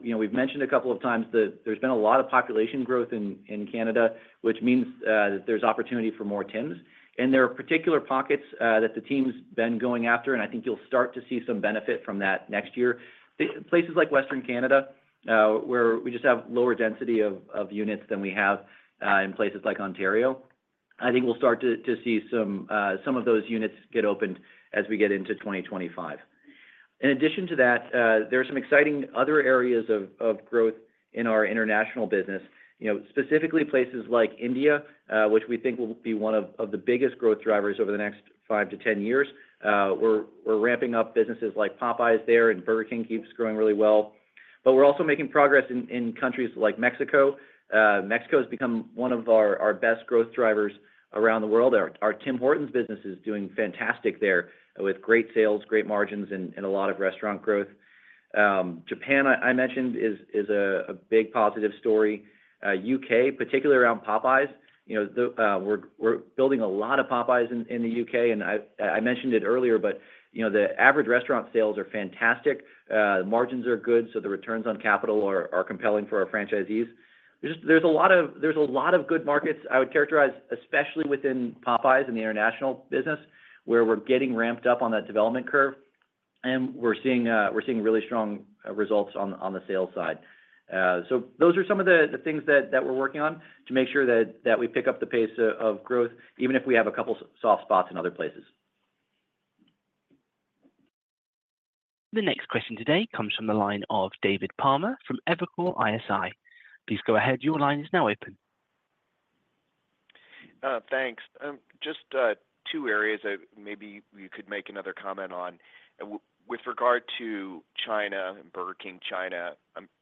We've mentioned a couple of times that there's been a lot of population growth in Canada, which means that there's opportunity for more Tims. And there are particular pockets that the team's been going after, and I think you'll start to see some benefit from that next year. Places like Western Canada, where we just have lower density of units than we have in places like Ontario, I think we'll start to see some of those units get opened as we get into 2025. In addition to that, there are some exciting other areas of growth in our international business, specifically places like India, which we think will be one of the biggest growth drivers over the next five to 10 years. We're ramping up businesses like Popeyes there, and Burger King keeps growing really well. But we're also making progress in countries like Mexico. Mexico has become one of our best growth drivers around the world. Our Tim Hortons business is doing fantastic there with great sales, great margins, and a lot of restaurant growth. Japan, I mentioned, is a big positive story. U.K., particularly around Popeyes. We're building a lot of Popeyes in the U.K. I mentioned it earlier, but the average restaurant sales are fantastic. Margins are good, so the returns on capital are compelling for our franchisees. There's a lot of good markets I would characterize, especially within Popeyes in the international business, where we're getting ramped up on that development curve, and we're seeing really strong results on the sales side. So those are some of the things that we're working on to make sure that we pick up the pace of growth, even if we have a couple of soft spots in other places.
The next question today comes from the line of David Palmer from Evercore ISI. Please go ahead. Your line is now open.
Thanks. Just two areas maybe you could make another comment on. With regard to China and Burger King China,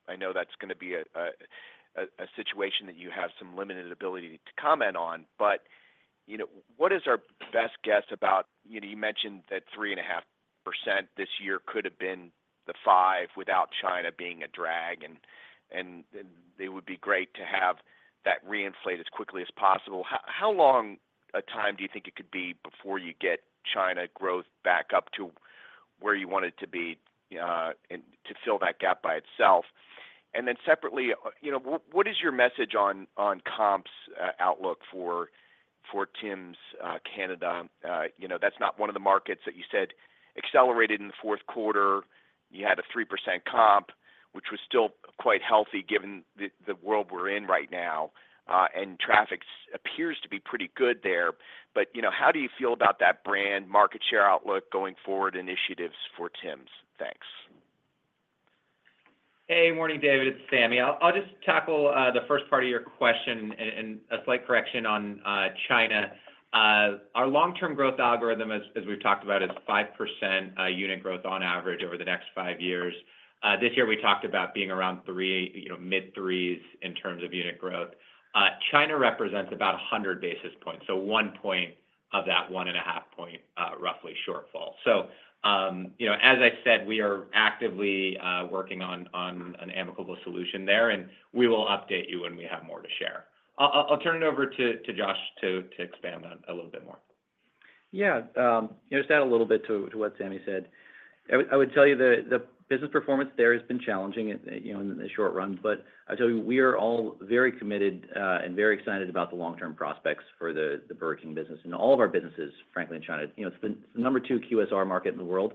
I know that's going to be a situation that you have some limited ability to comment on. But what is our best guess about you mentioned that 3.5% this year could have been the 5% without China being a drag, and it would be great to have that reinflate as quickly as possible. How long a time do you think it could be before you get China growth back up to where you want it to be to fill that gap by itself? And then separately, what is your message on comps outlook for Tims Canada? That's not one of the markets that you said accelerated in the fourth quarter. You had a 3% comp, which was still quite healthy given the world we're in right now. And traffic appears to be pretty good there. But how do you feel about that brand market share outlook going forward initiatives for Tims? Thanks.
Hey, morning, David. It's Sami here. I'll just tackle the first part of your question and a slight correction on China. Our long-term growth algorithm, as we've talked about, is 5% unit growth on average over the next five years. This year, we talked about being around mid-threes in terms of unit growth. China represents about 100 basis points, so one point of that 1.5-point roughly shortfall. So as I said, we are actively working on an amicable solution there, and we will update you when we have more to share. I'll turn it over to Josh to expand on a little bit more.
Yeah. Just add a little bit to what Sami said. I would tell you the business performance there has been challenging in the short run, but I tell you, we are all very committed and very excited about the long-term prospects for the Burger King business and all of our businesses, frankly, in China. It's the number two QSR market in the world.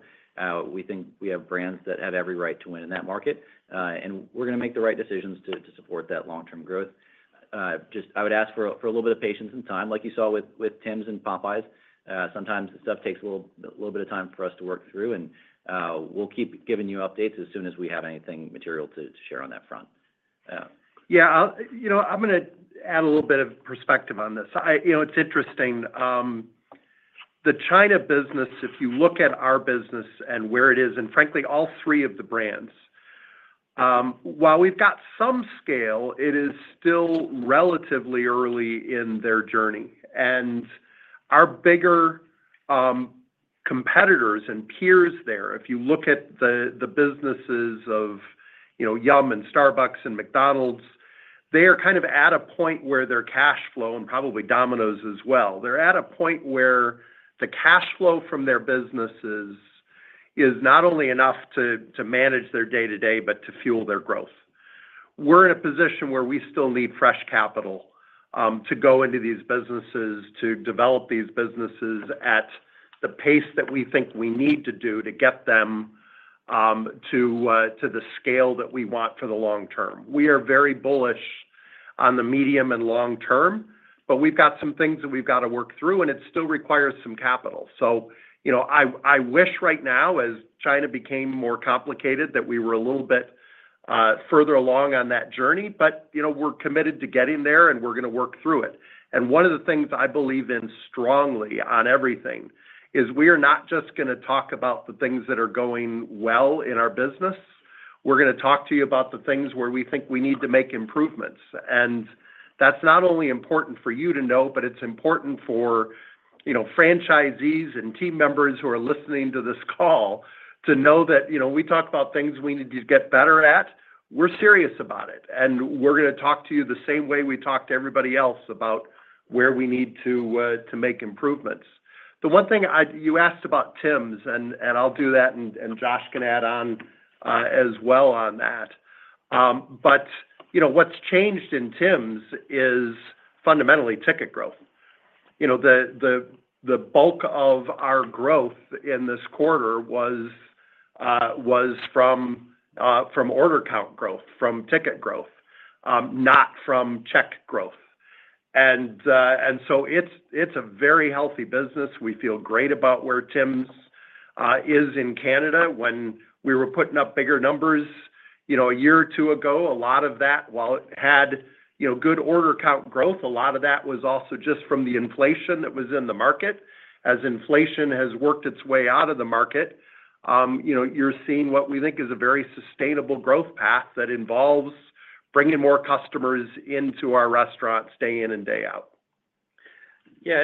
We think we have brands that have every right to win in that market, and we're going to make the right decisions to support that long-term growth. Just, I would ask for a little bit of patience and time, like you saw with TIMS and Popeyes. Sometimes stuff takes a little bit of time for us to work through, and we'll keep giving you updates as soon as we have anything material to share on that front. Yeah. I'm going to add a little bit of perspective on this. It's interesting.
The China business, if you look at our business and where it is, and frankly, all three of the brands, while we've got some scale, it is still relatively early in their journey, and our bigger competitors and peers there, if you look at the businesses of Yum and Starbucks and McDonald's, they are kind of at a point where their cash flow and probably Domino's as well, they're at a point where the cash flow from their businesses is not only enough to manage their day-to-day, but to fuel their growth. We're in a position where we still need fresh capital to go into these businesses, to develop these businesses at the pace that we think we need to do to get them to the scale that we want for the long term. We are very bullish on the medium and long term, but we've got some things that we've got to work through, and it still requires some capital. So I wish right now, as China became more complicated, that we were a little bit further along on that journey, but we're committed to getting there, and we're going to work through it. And one of the things I believe in strongly on everything is we are not just going to talk about the things that are going well in our business. We're going to talk to you about the things where we think we need to make improvements. And that's not only important for you to know, but it's important for franchisees and team members who are listening to this call to know that we talk about things we need to get better at. We're serious about it, and we're going to talk to you the same way we talk to everybody else about where we need to make improvements. The one thing you asked about Tims, and I'll do that, and Josh can add on as well on that. But what's changed in Tims is fundamentally ticket growth. The bulk of our growth in this quarter was from order count growth, from ticket growth, not from check growth. And so it's a very healthy business. We feel great about where Tims is in Canada. When we were putting up bigger numbers a year or two ago, a lot of that, while it had good order count growth, a lot of that was also just from the inflation that was in the market. As inflation has worked its way out of the market, you're seeing what we think is a very sustainable growth path that involves bringing more customers into our restaurants day in and day out.
Yeah.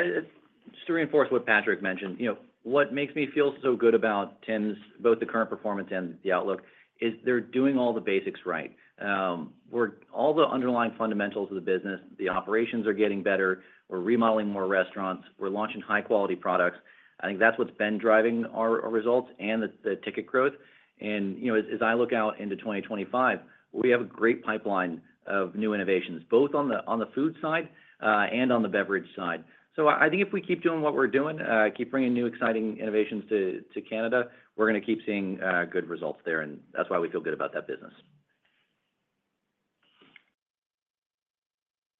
Just to reinforce what Patrick mentioned, what makes me feel so good about Tims, both the current performance and the outlook, is they're doing all the basics right. All the underlying fundamentals of the business, the operations are getting better. We're remodeling more restaurants. We're launching high-quality products. I think that's what's been driving our results and the ticket growth, and as I look out into 2025, we have a great pipeline of new innovations, both on the food side and on the beverage side. So I think if we keep doing what we're doing, keep bringing new exciting innovations to Canada, we're going to keep seeing good results there, and that's why we feel good about that business.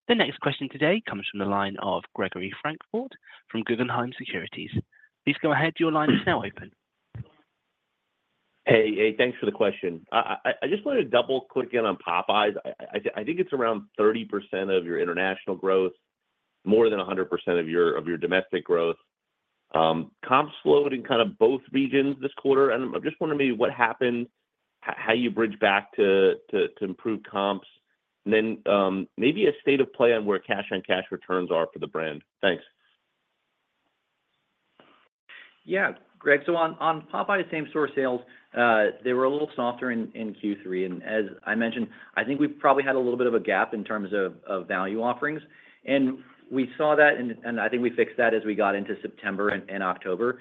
The next question today comes from the line of Gregory Francfort from Guggenheim Securities. Please go ahead. Your line is now open.
Hey, thanks for the question. I just wanted to double-click in on Popeyes. I think it's around 30% of your international growth, more than 100% of your domestic growth. Comps floating kind of both regions this quarter. And I just wonder maybe what happened, how you bridge back to improve comps, and then maybe a state of play on where cash-on-cash returns are for the brand. Thanks.
Yeah. Greg, so on Popeyes same-store sales, they were a little softer in Q3. As I mentioned, I think we probably had a little bit of a gap in terms of value offerings. We saw that, and I think we fixed that as we got into September and October.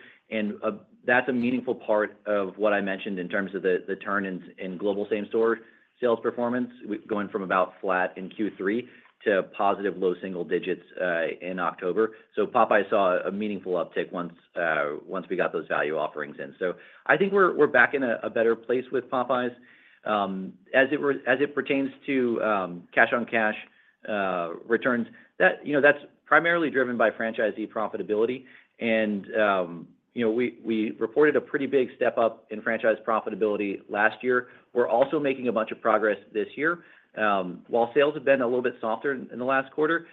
That's a meaningful part of what I mentioned in terms of the turn in global same-store sales performance, going from about flat in Q3 to positive low single digits in October. Popeyes saw a meaningful uptick once we got those value offerings in. I think we're back in a better place with Popeyes. As it pertains to cash-on-cash returns, that's primarily driven by franchisee profitability. We reported a pretty big step up in franchise profitability last year. We're also making a bunch of progress this year. While sales have been a little bit softer in the last quarter,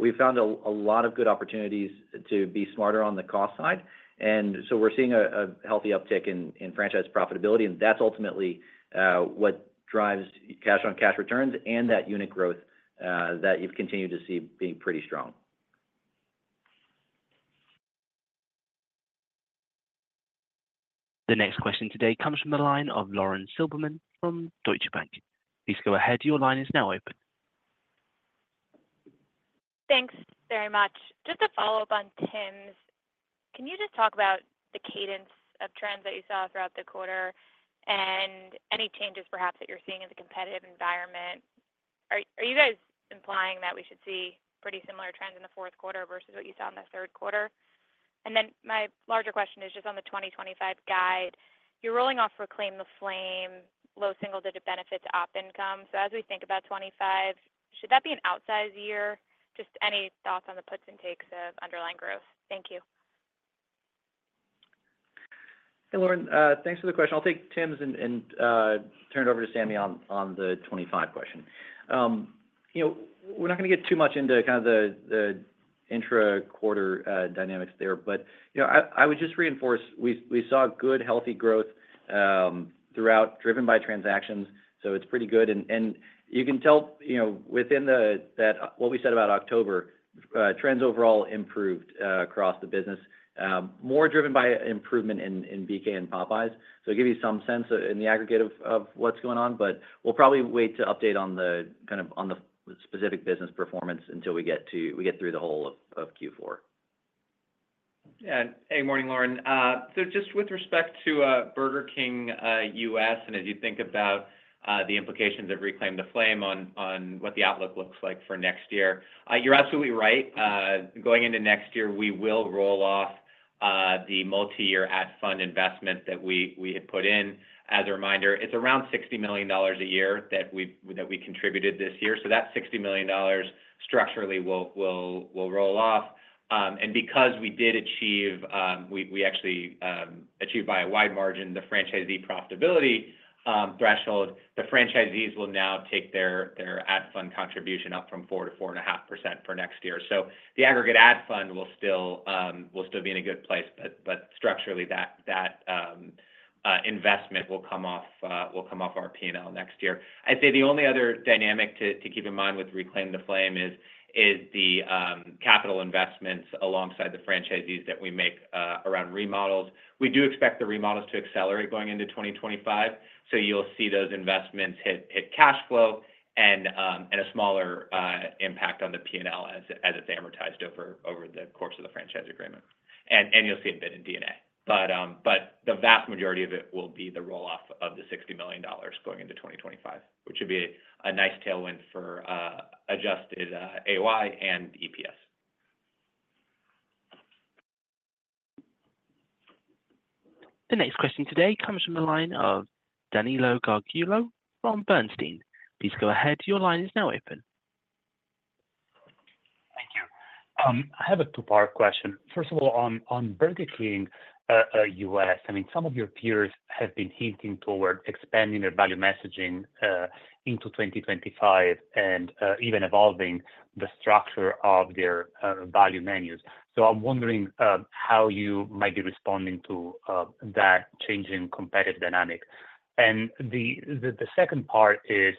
we found a lot of good opportunities to be smarter on the cost side. And so we're seeing a healthy uptick in franchise profitability. And that's ultimately what drives cash-on-cash returns and that unit growth that you've continued to see being pretty strong.
The next question today comes from the line of Lauren Silberman from Deutsche Bank. Please go ahead. Your line is now open.
Thanks very much. Just to follow up on Tim's, can you just talk about the cadence of trends that you saw throughout the quarter and any changes perhaps that you're seeing in the competitive environment? Are you guys implying that we should see pretty similar trends in the fourth quarter versus what you saw in the third quarter? And then my larger question is just on the 2025 guide. You're rolling off Reclaim the Flame, low single-digit benefits op income. So as we think about 2025, should that be an outsize year? Just any thoughts on the puts and takes of underlying growth? Thank you.
Lauren, thanks for the question. I'll take Tims and turn it over to Sami on the 2025 question. We're not going to get too much into kind of the intra-quarter dynamics there, but I would just reinforce we saw good, healthy growth throughout driven by transactions. So it's pretty good. And you can tell within what we said about October, trends overall improved across the business, more driven by improvement in BK and Popeyes. So it gives you some sense in the aggregate of what's going on, but we'll probably wait to update on the kind of specific business performance until we get through the whole of Q4.
Yeah. Hey, morning, Lauren. Just with respect to Burger King U.S. and as you think about the implications of Reclaim the Flame on what the outlook looks like for next year, you're absolutely right. Going into next year, we will roll off the multi-year ad fund investment that we had put in. As a reminder, it's around $60 million a year that we contributed this year. So that $60 million structurally will roll off. And because we did achieve, we actually achieved by a wide margin the franchisee profitability threshold, the franchisees will now take their ad fund contribution up from 4%-4.5% for next year. So the aggregate ad fund will still be in a good place, but structurally, that investment will come off our P&L next year. I'd say the only other dynamic to keep in mind with Reclaim the Flame is the capital investments alongside the franchisees that we make around remodels. We do expect the remodels to accelerate going into 2025. So you'll see those investments hit cash flow and a smaller impact on the P&L as it's amortized over the course of the franchise agreement. And you'll see a bit in D&A. But the vast majority of it will be the roll-off of the $60 million going into 2025, which would be a nice tailwind for adjusted AOI and EPS.
The next question today comes from the line of Danilo Gargiulo from Bernstein. Please go ahead. Your line is now open.
Thank you. I have a two-part question. First of all, on Burger King U.S., I mean, some of your peers have been hinting toward expanding their value messaging into 2025 and even evolving the structure of their value menus. So I'm wondering how you might be responding to that changing competitive dynamic. And the second part is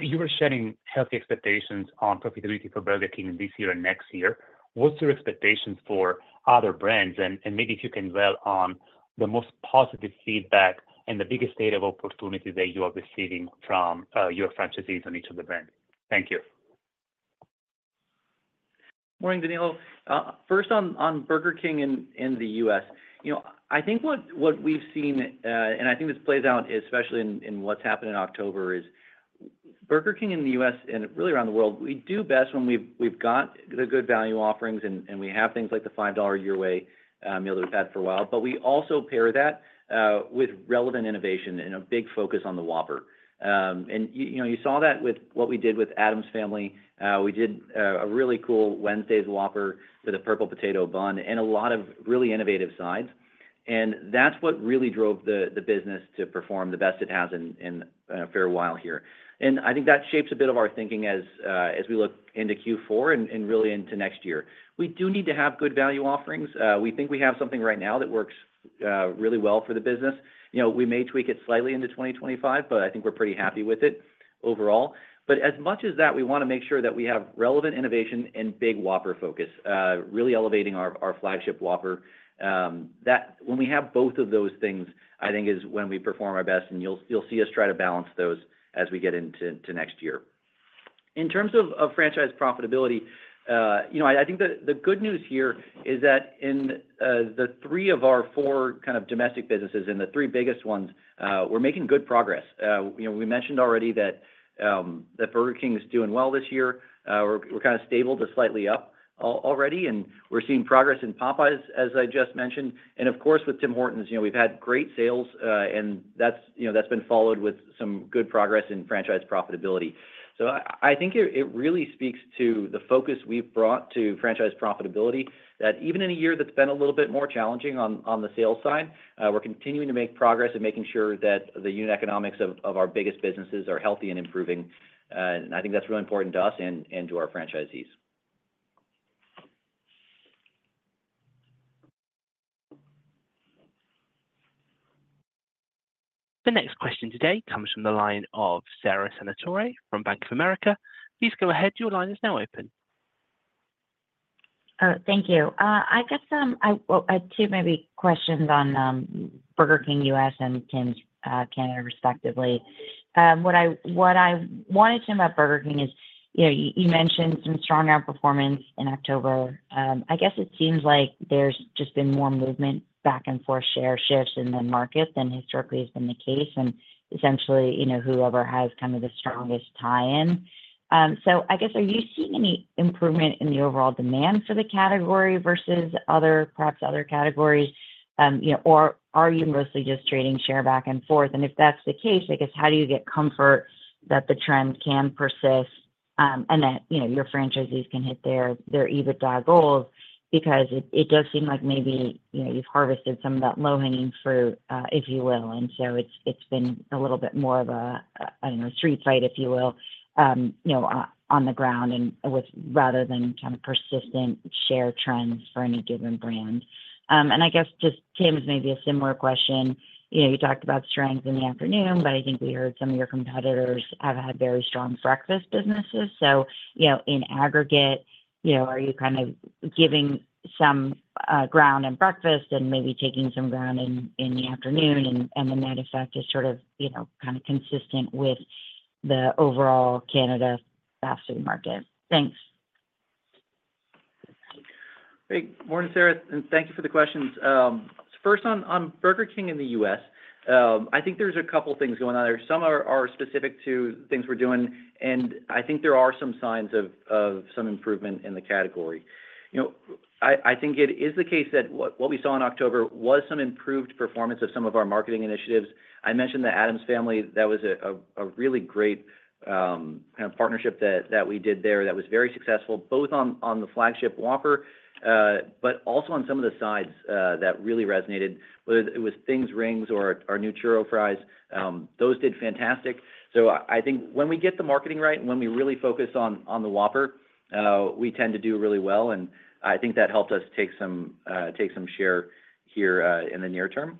you were sharing healthy expectations on profitability for Burger King this year and next year. What's your expectations for other brands? And maybe if you can dwell on the most positive feedback and the biggest area of opportunity that you are receiving from your franchisees on each of the brands. Thank you.
Morning, Danilo. First, on Burger King in the U.S., I think what we've seen, and I think this plays out especially in what's happened in October, is Burger King in the U.S. and really around the world, we do best when we've got the good value offerings and we have things like the $5 Your Way Meal that we've had for a while. But we also pair that with relevant innovation and a big focus on the Whopper. And you saw that with what we did with Addams Family. We did a really cool Wednesday's Whopper with a purple potato bun and a lot of really innovative sides. And that's what really drove the business to perform the best it has in a fair while here. And I think that shapes a bit of our thinking as we look into Q4 and really into next year. We do need to have good value offerings. We think we have something right now that works really well for the business. We may tweak it slightly into 2025, but I think we're pretty happy with it overall. But as much as that, we want to make sure that we have relevant innovation and big Whopper focus, really elevating our flagship Whopper. When we have both of those things, I think is when we perform our best, and you'll see us try to balance those as we get into next year. In terms of franchise profitability, I think the good news here is that in the three of our four kind of domestic businesses and the three biggest ones, we're making good progress. We mentioned already that Burger King is doing well this year. We're kind of stable to slightly up already, and we're seeing progress in Popeyes, as I just mentioned, and of course, with Tim Hortons, we've had great sales, and that's been followed with some good progress in franchise profitability, so I think it really speaks to the focus we've brought to franchise profitability that even in a year that's been a little bit more challenging on the sales side, we're continuing to make progress and making sure that the unit economics of our biggest businesses are healthy and improving, and I think that's really important to us and to our franchisees.
The next question today comes from the line of Sara Senatore from Bank of America. Please go ahead. Your line is now open.
Thank you. I guess I have two maybe questions on Burger King U.S. and Tims Canada respectively. What I wanted to know about Burger King is you mentioned some strong outperformance in October. I guess it seems like there's just been more movement back and forth, share shifts in the market than historically has been the case. And essentially, whoever has kind of the strongest tie-in. So I guess, are you seeing any improvement in the overall demand for the category versus perhaps other categories? Or are you mostly just trading share back and forth? And if that's the case, I guess, how do you get comfort that the trend can persist and that your franchisees can hit their EBITDA goals? Because it does seem like maybe you've harvested some of that low-hanging fruit, if you will. And so it's been a little bit more of a street fight, if you will, on the ground rather than kind of persistent share trends for any given brand. And I guess just Tims, maybe a similar question. You talked about strength in the afternoon, but I think we heard some of your competitors have had very strong breakfast businesses. So in aggregate, are you kind of giving some ground in breakfast and maybe taking some ground in the afternoon? And then that effect is sort of kind of consistent with the overall Canada fast food market. Thanks. Morning, Sarah. And thank you for the questions. First, on Burger King in the U.S., I think there's a couple of things going on there. Some are specific to things we're doing, and I think there are some signs of some improvement in the category. I think it is the case that what we saw in October was some improved performance of some of our marketing initiatives. I mentioned the Addams Family. That was a really great kind of partnership that we did there that was very successful, both on the flagship Whopper, but also on some of the sides that really resonated, whether it was Thing's Rings or our new Churro Fries. Those did fantastic. So I think when we get the marketing right and when we really focus on the Whopper, we tend to do really well. And I think that helped us take some share here in the near term.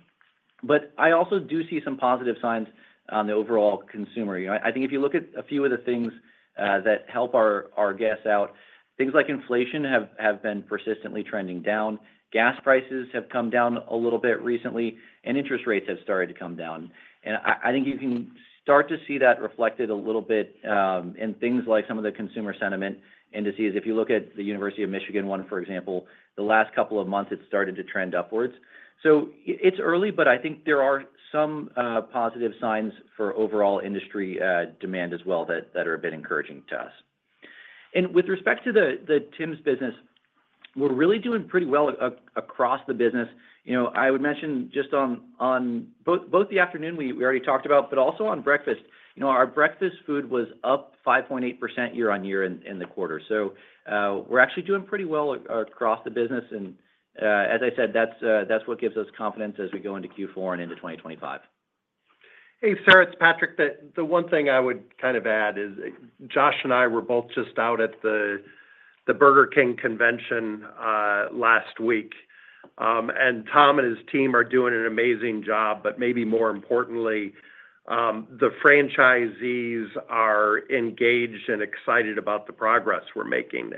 But I also do see some positive signs on the overall consumer. I think if you look at a few of the things that help our guests out, things like inflation have been persistently trending down. Gas prices have come down a little bit recently, and interest rates have started to come down. And I think you can start to see that reflected a little bit in things like some of the consumer sentiment indices. If you look at the University of Michigan one, for example, the last couple of months, it started to trend upwards. So it's early, but I think there are some positive signs for overall industry demand as well that are a bit encouraging to us. And with respect to the Tims business, we're really doing pretty well across the business. I would mention just on both the afternoon we already talked about, but also on breakfast, our breakfast food was up 5.8% year-on-year in the quarter. So we're actually doing pretty well across the business, and as I said, that's what gives us confidence as we go into Q4 and into 2025.
Hey, Sara, it's Patrick. The one thing I would kind of add is Josh and I were both just out at the Burger King convention last week, and Tom and his team are doing an amazing job, but maybe more importantly, the franchisees are engaged and excited about the progress we're making.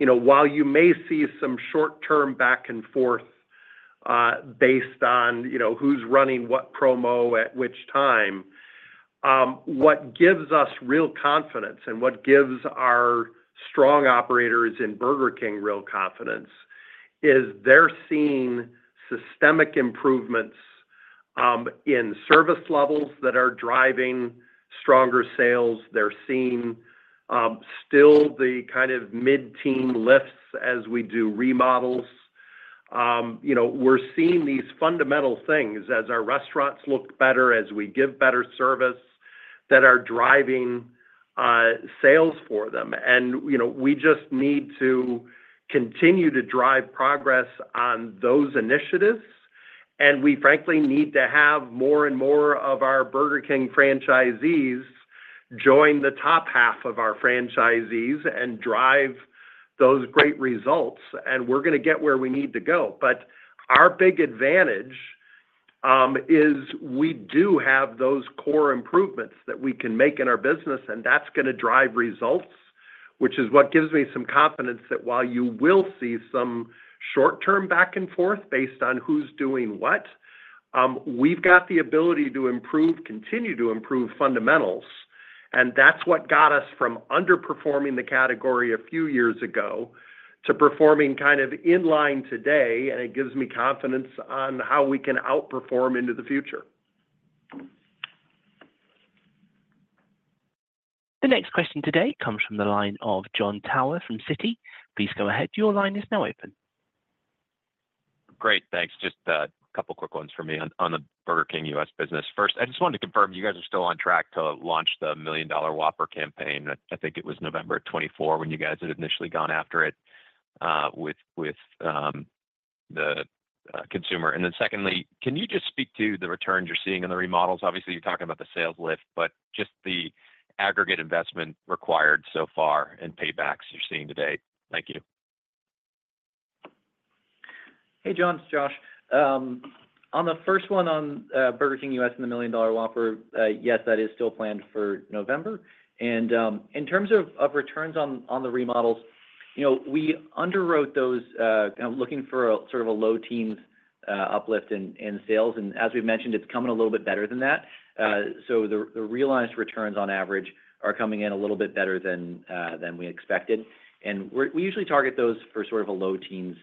While you may see some short-term back and forth based on who's running what promo at which time, what gives us real confidence and what gives our strong operators in Burger King real confidence is they're seeing systemic improvements in service levels that are driving stronger sales. They're seeing still the kind of mid-teens lifts as we do remodels. We're seeing these fundamental things as our restaurants look better, as we give better service that are driving sales for them. We just need to continue to drive progress on those initiatives. We, frankly, need to have more and more of our Burger King franchisees join the top half of our franchisees and drive those great results. We're going to get where we need to go. But our big advantage is we do have those core improvements that we can make in our business, and that's going to drive results, which is what gives me some confidence that while you will see some short-term back and forth based on who's doing what, we've got the ability to improve, continue to improve fundamentals. And that's what got us from underperforming the category a few years ago to performing kind of in line today. And it gives me confidence on how we can outperform into the future.
The next question today comes from the line of Jon Tower from Citi. Please go ahead. Your line is now open.
Great. Thanks. Just a couple of quick ones for me on the Burger King U.S. business. First, I just wanted to confirm you guys are still on track to launch the Million Dollar Whopper campaign. I think it was November 24 when you guys had initially gone after it with the consumer. And then secondly, can you just speak to the returns you're seeing in the remodels? Obviously, you're talking about the sales lift, but just the aggregate investment required so far and paybacks you're seeing today. Thank you.
Hey, Jon. It's Josh. On the first one on Burger King U.S. and the Million Dollar Whopper, yes, that is still planned for November. And in terms of returns on the remodels, we underwrote those looking for sort of a low-teens uplift in sales. And as we've mentioned, it's coming a little bit better than that. So the realized returns on average are coming in a little bit better than we expected. And we usually target those for sort of a low-teens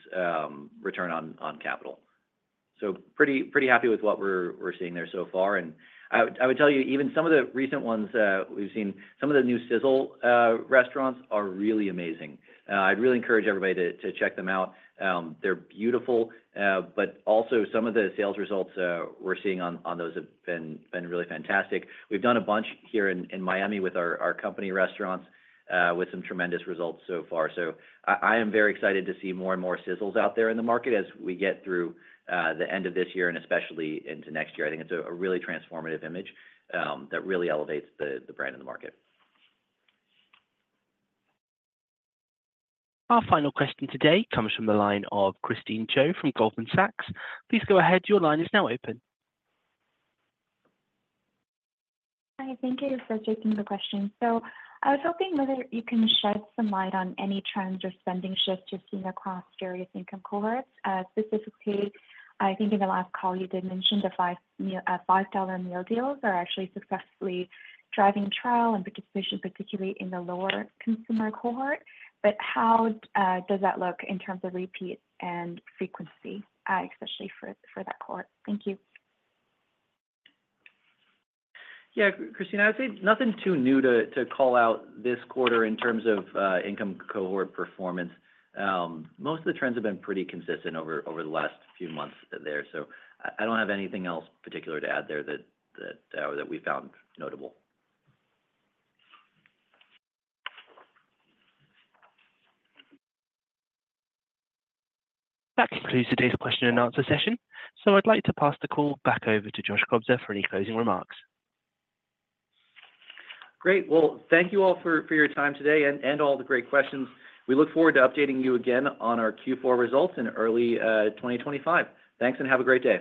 return on capital. So pretty happy with what we're seeing there so far. I would tell you, even some of the recent ones we've seen, some of the new Sizzle restaurants are really amazing. I'd really encourage everybody to check them out. They're beautiful. But also, some of the sales results we're seeing on those have been really fantastic. We've done a bunch here in Miami with our company restaurants with some tremendous results so far. So I am very excited to see more and more Sizzles out there in the market as we get through the end of this year and especially into next year. I think it's a really transformative image that really elevates the brand in the market.
Our final question today comes from the line of Christine Cho from Goldman Sachs. Please go ahead. Your line is now open.
Hi. Thank you for taking the question. So I was hoping whether you can shed some light on any trends or spending shifts you're seeing across various income cohorts. Specifically, I think in the last call, you did mention the $5 meal deals are actually successfully driving trial and participation, particularly in the lower consumer cohort. But how does that look in terms of repeat and frequency, especially for that cohort? Thank you.
Yeah, Christine, I would say nothing too new to call out this quarter in terms of income cohort performance. Most of the trends have been pretty consistent over the last few months there. So I don't have anything else particular to add there that we found notable.
That concludes today's question and answer session. So I'd like to pass the call back over to Josh Kobza for any closing remarks.
Great. Well, thank you all for your time today and all the great questions. We look forward to updating you again on our Q4 results in early 2025. Thanks and have a great day.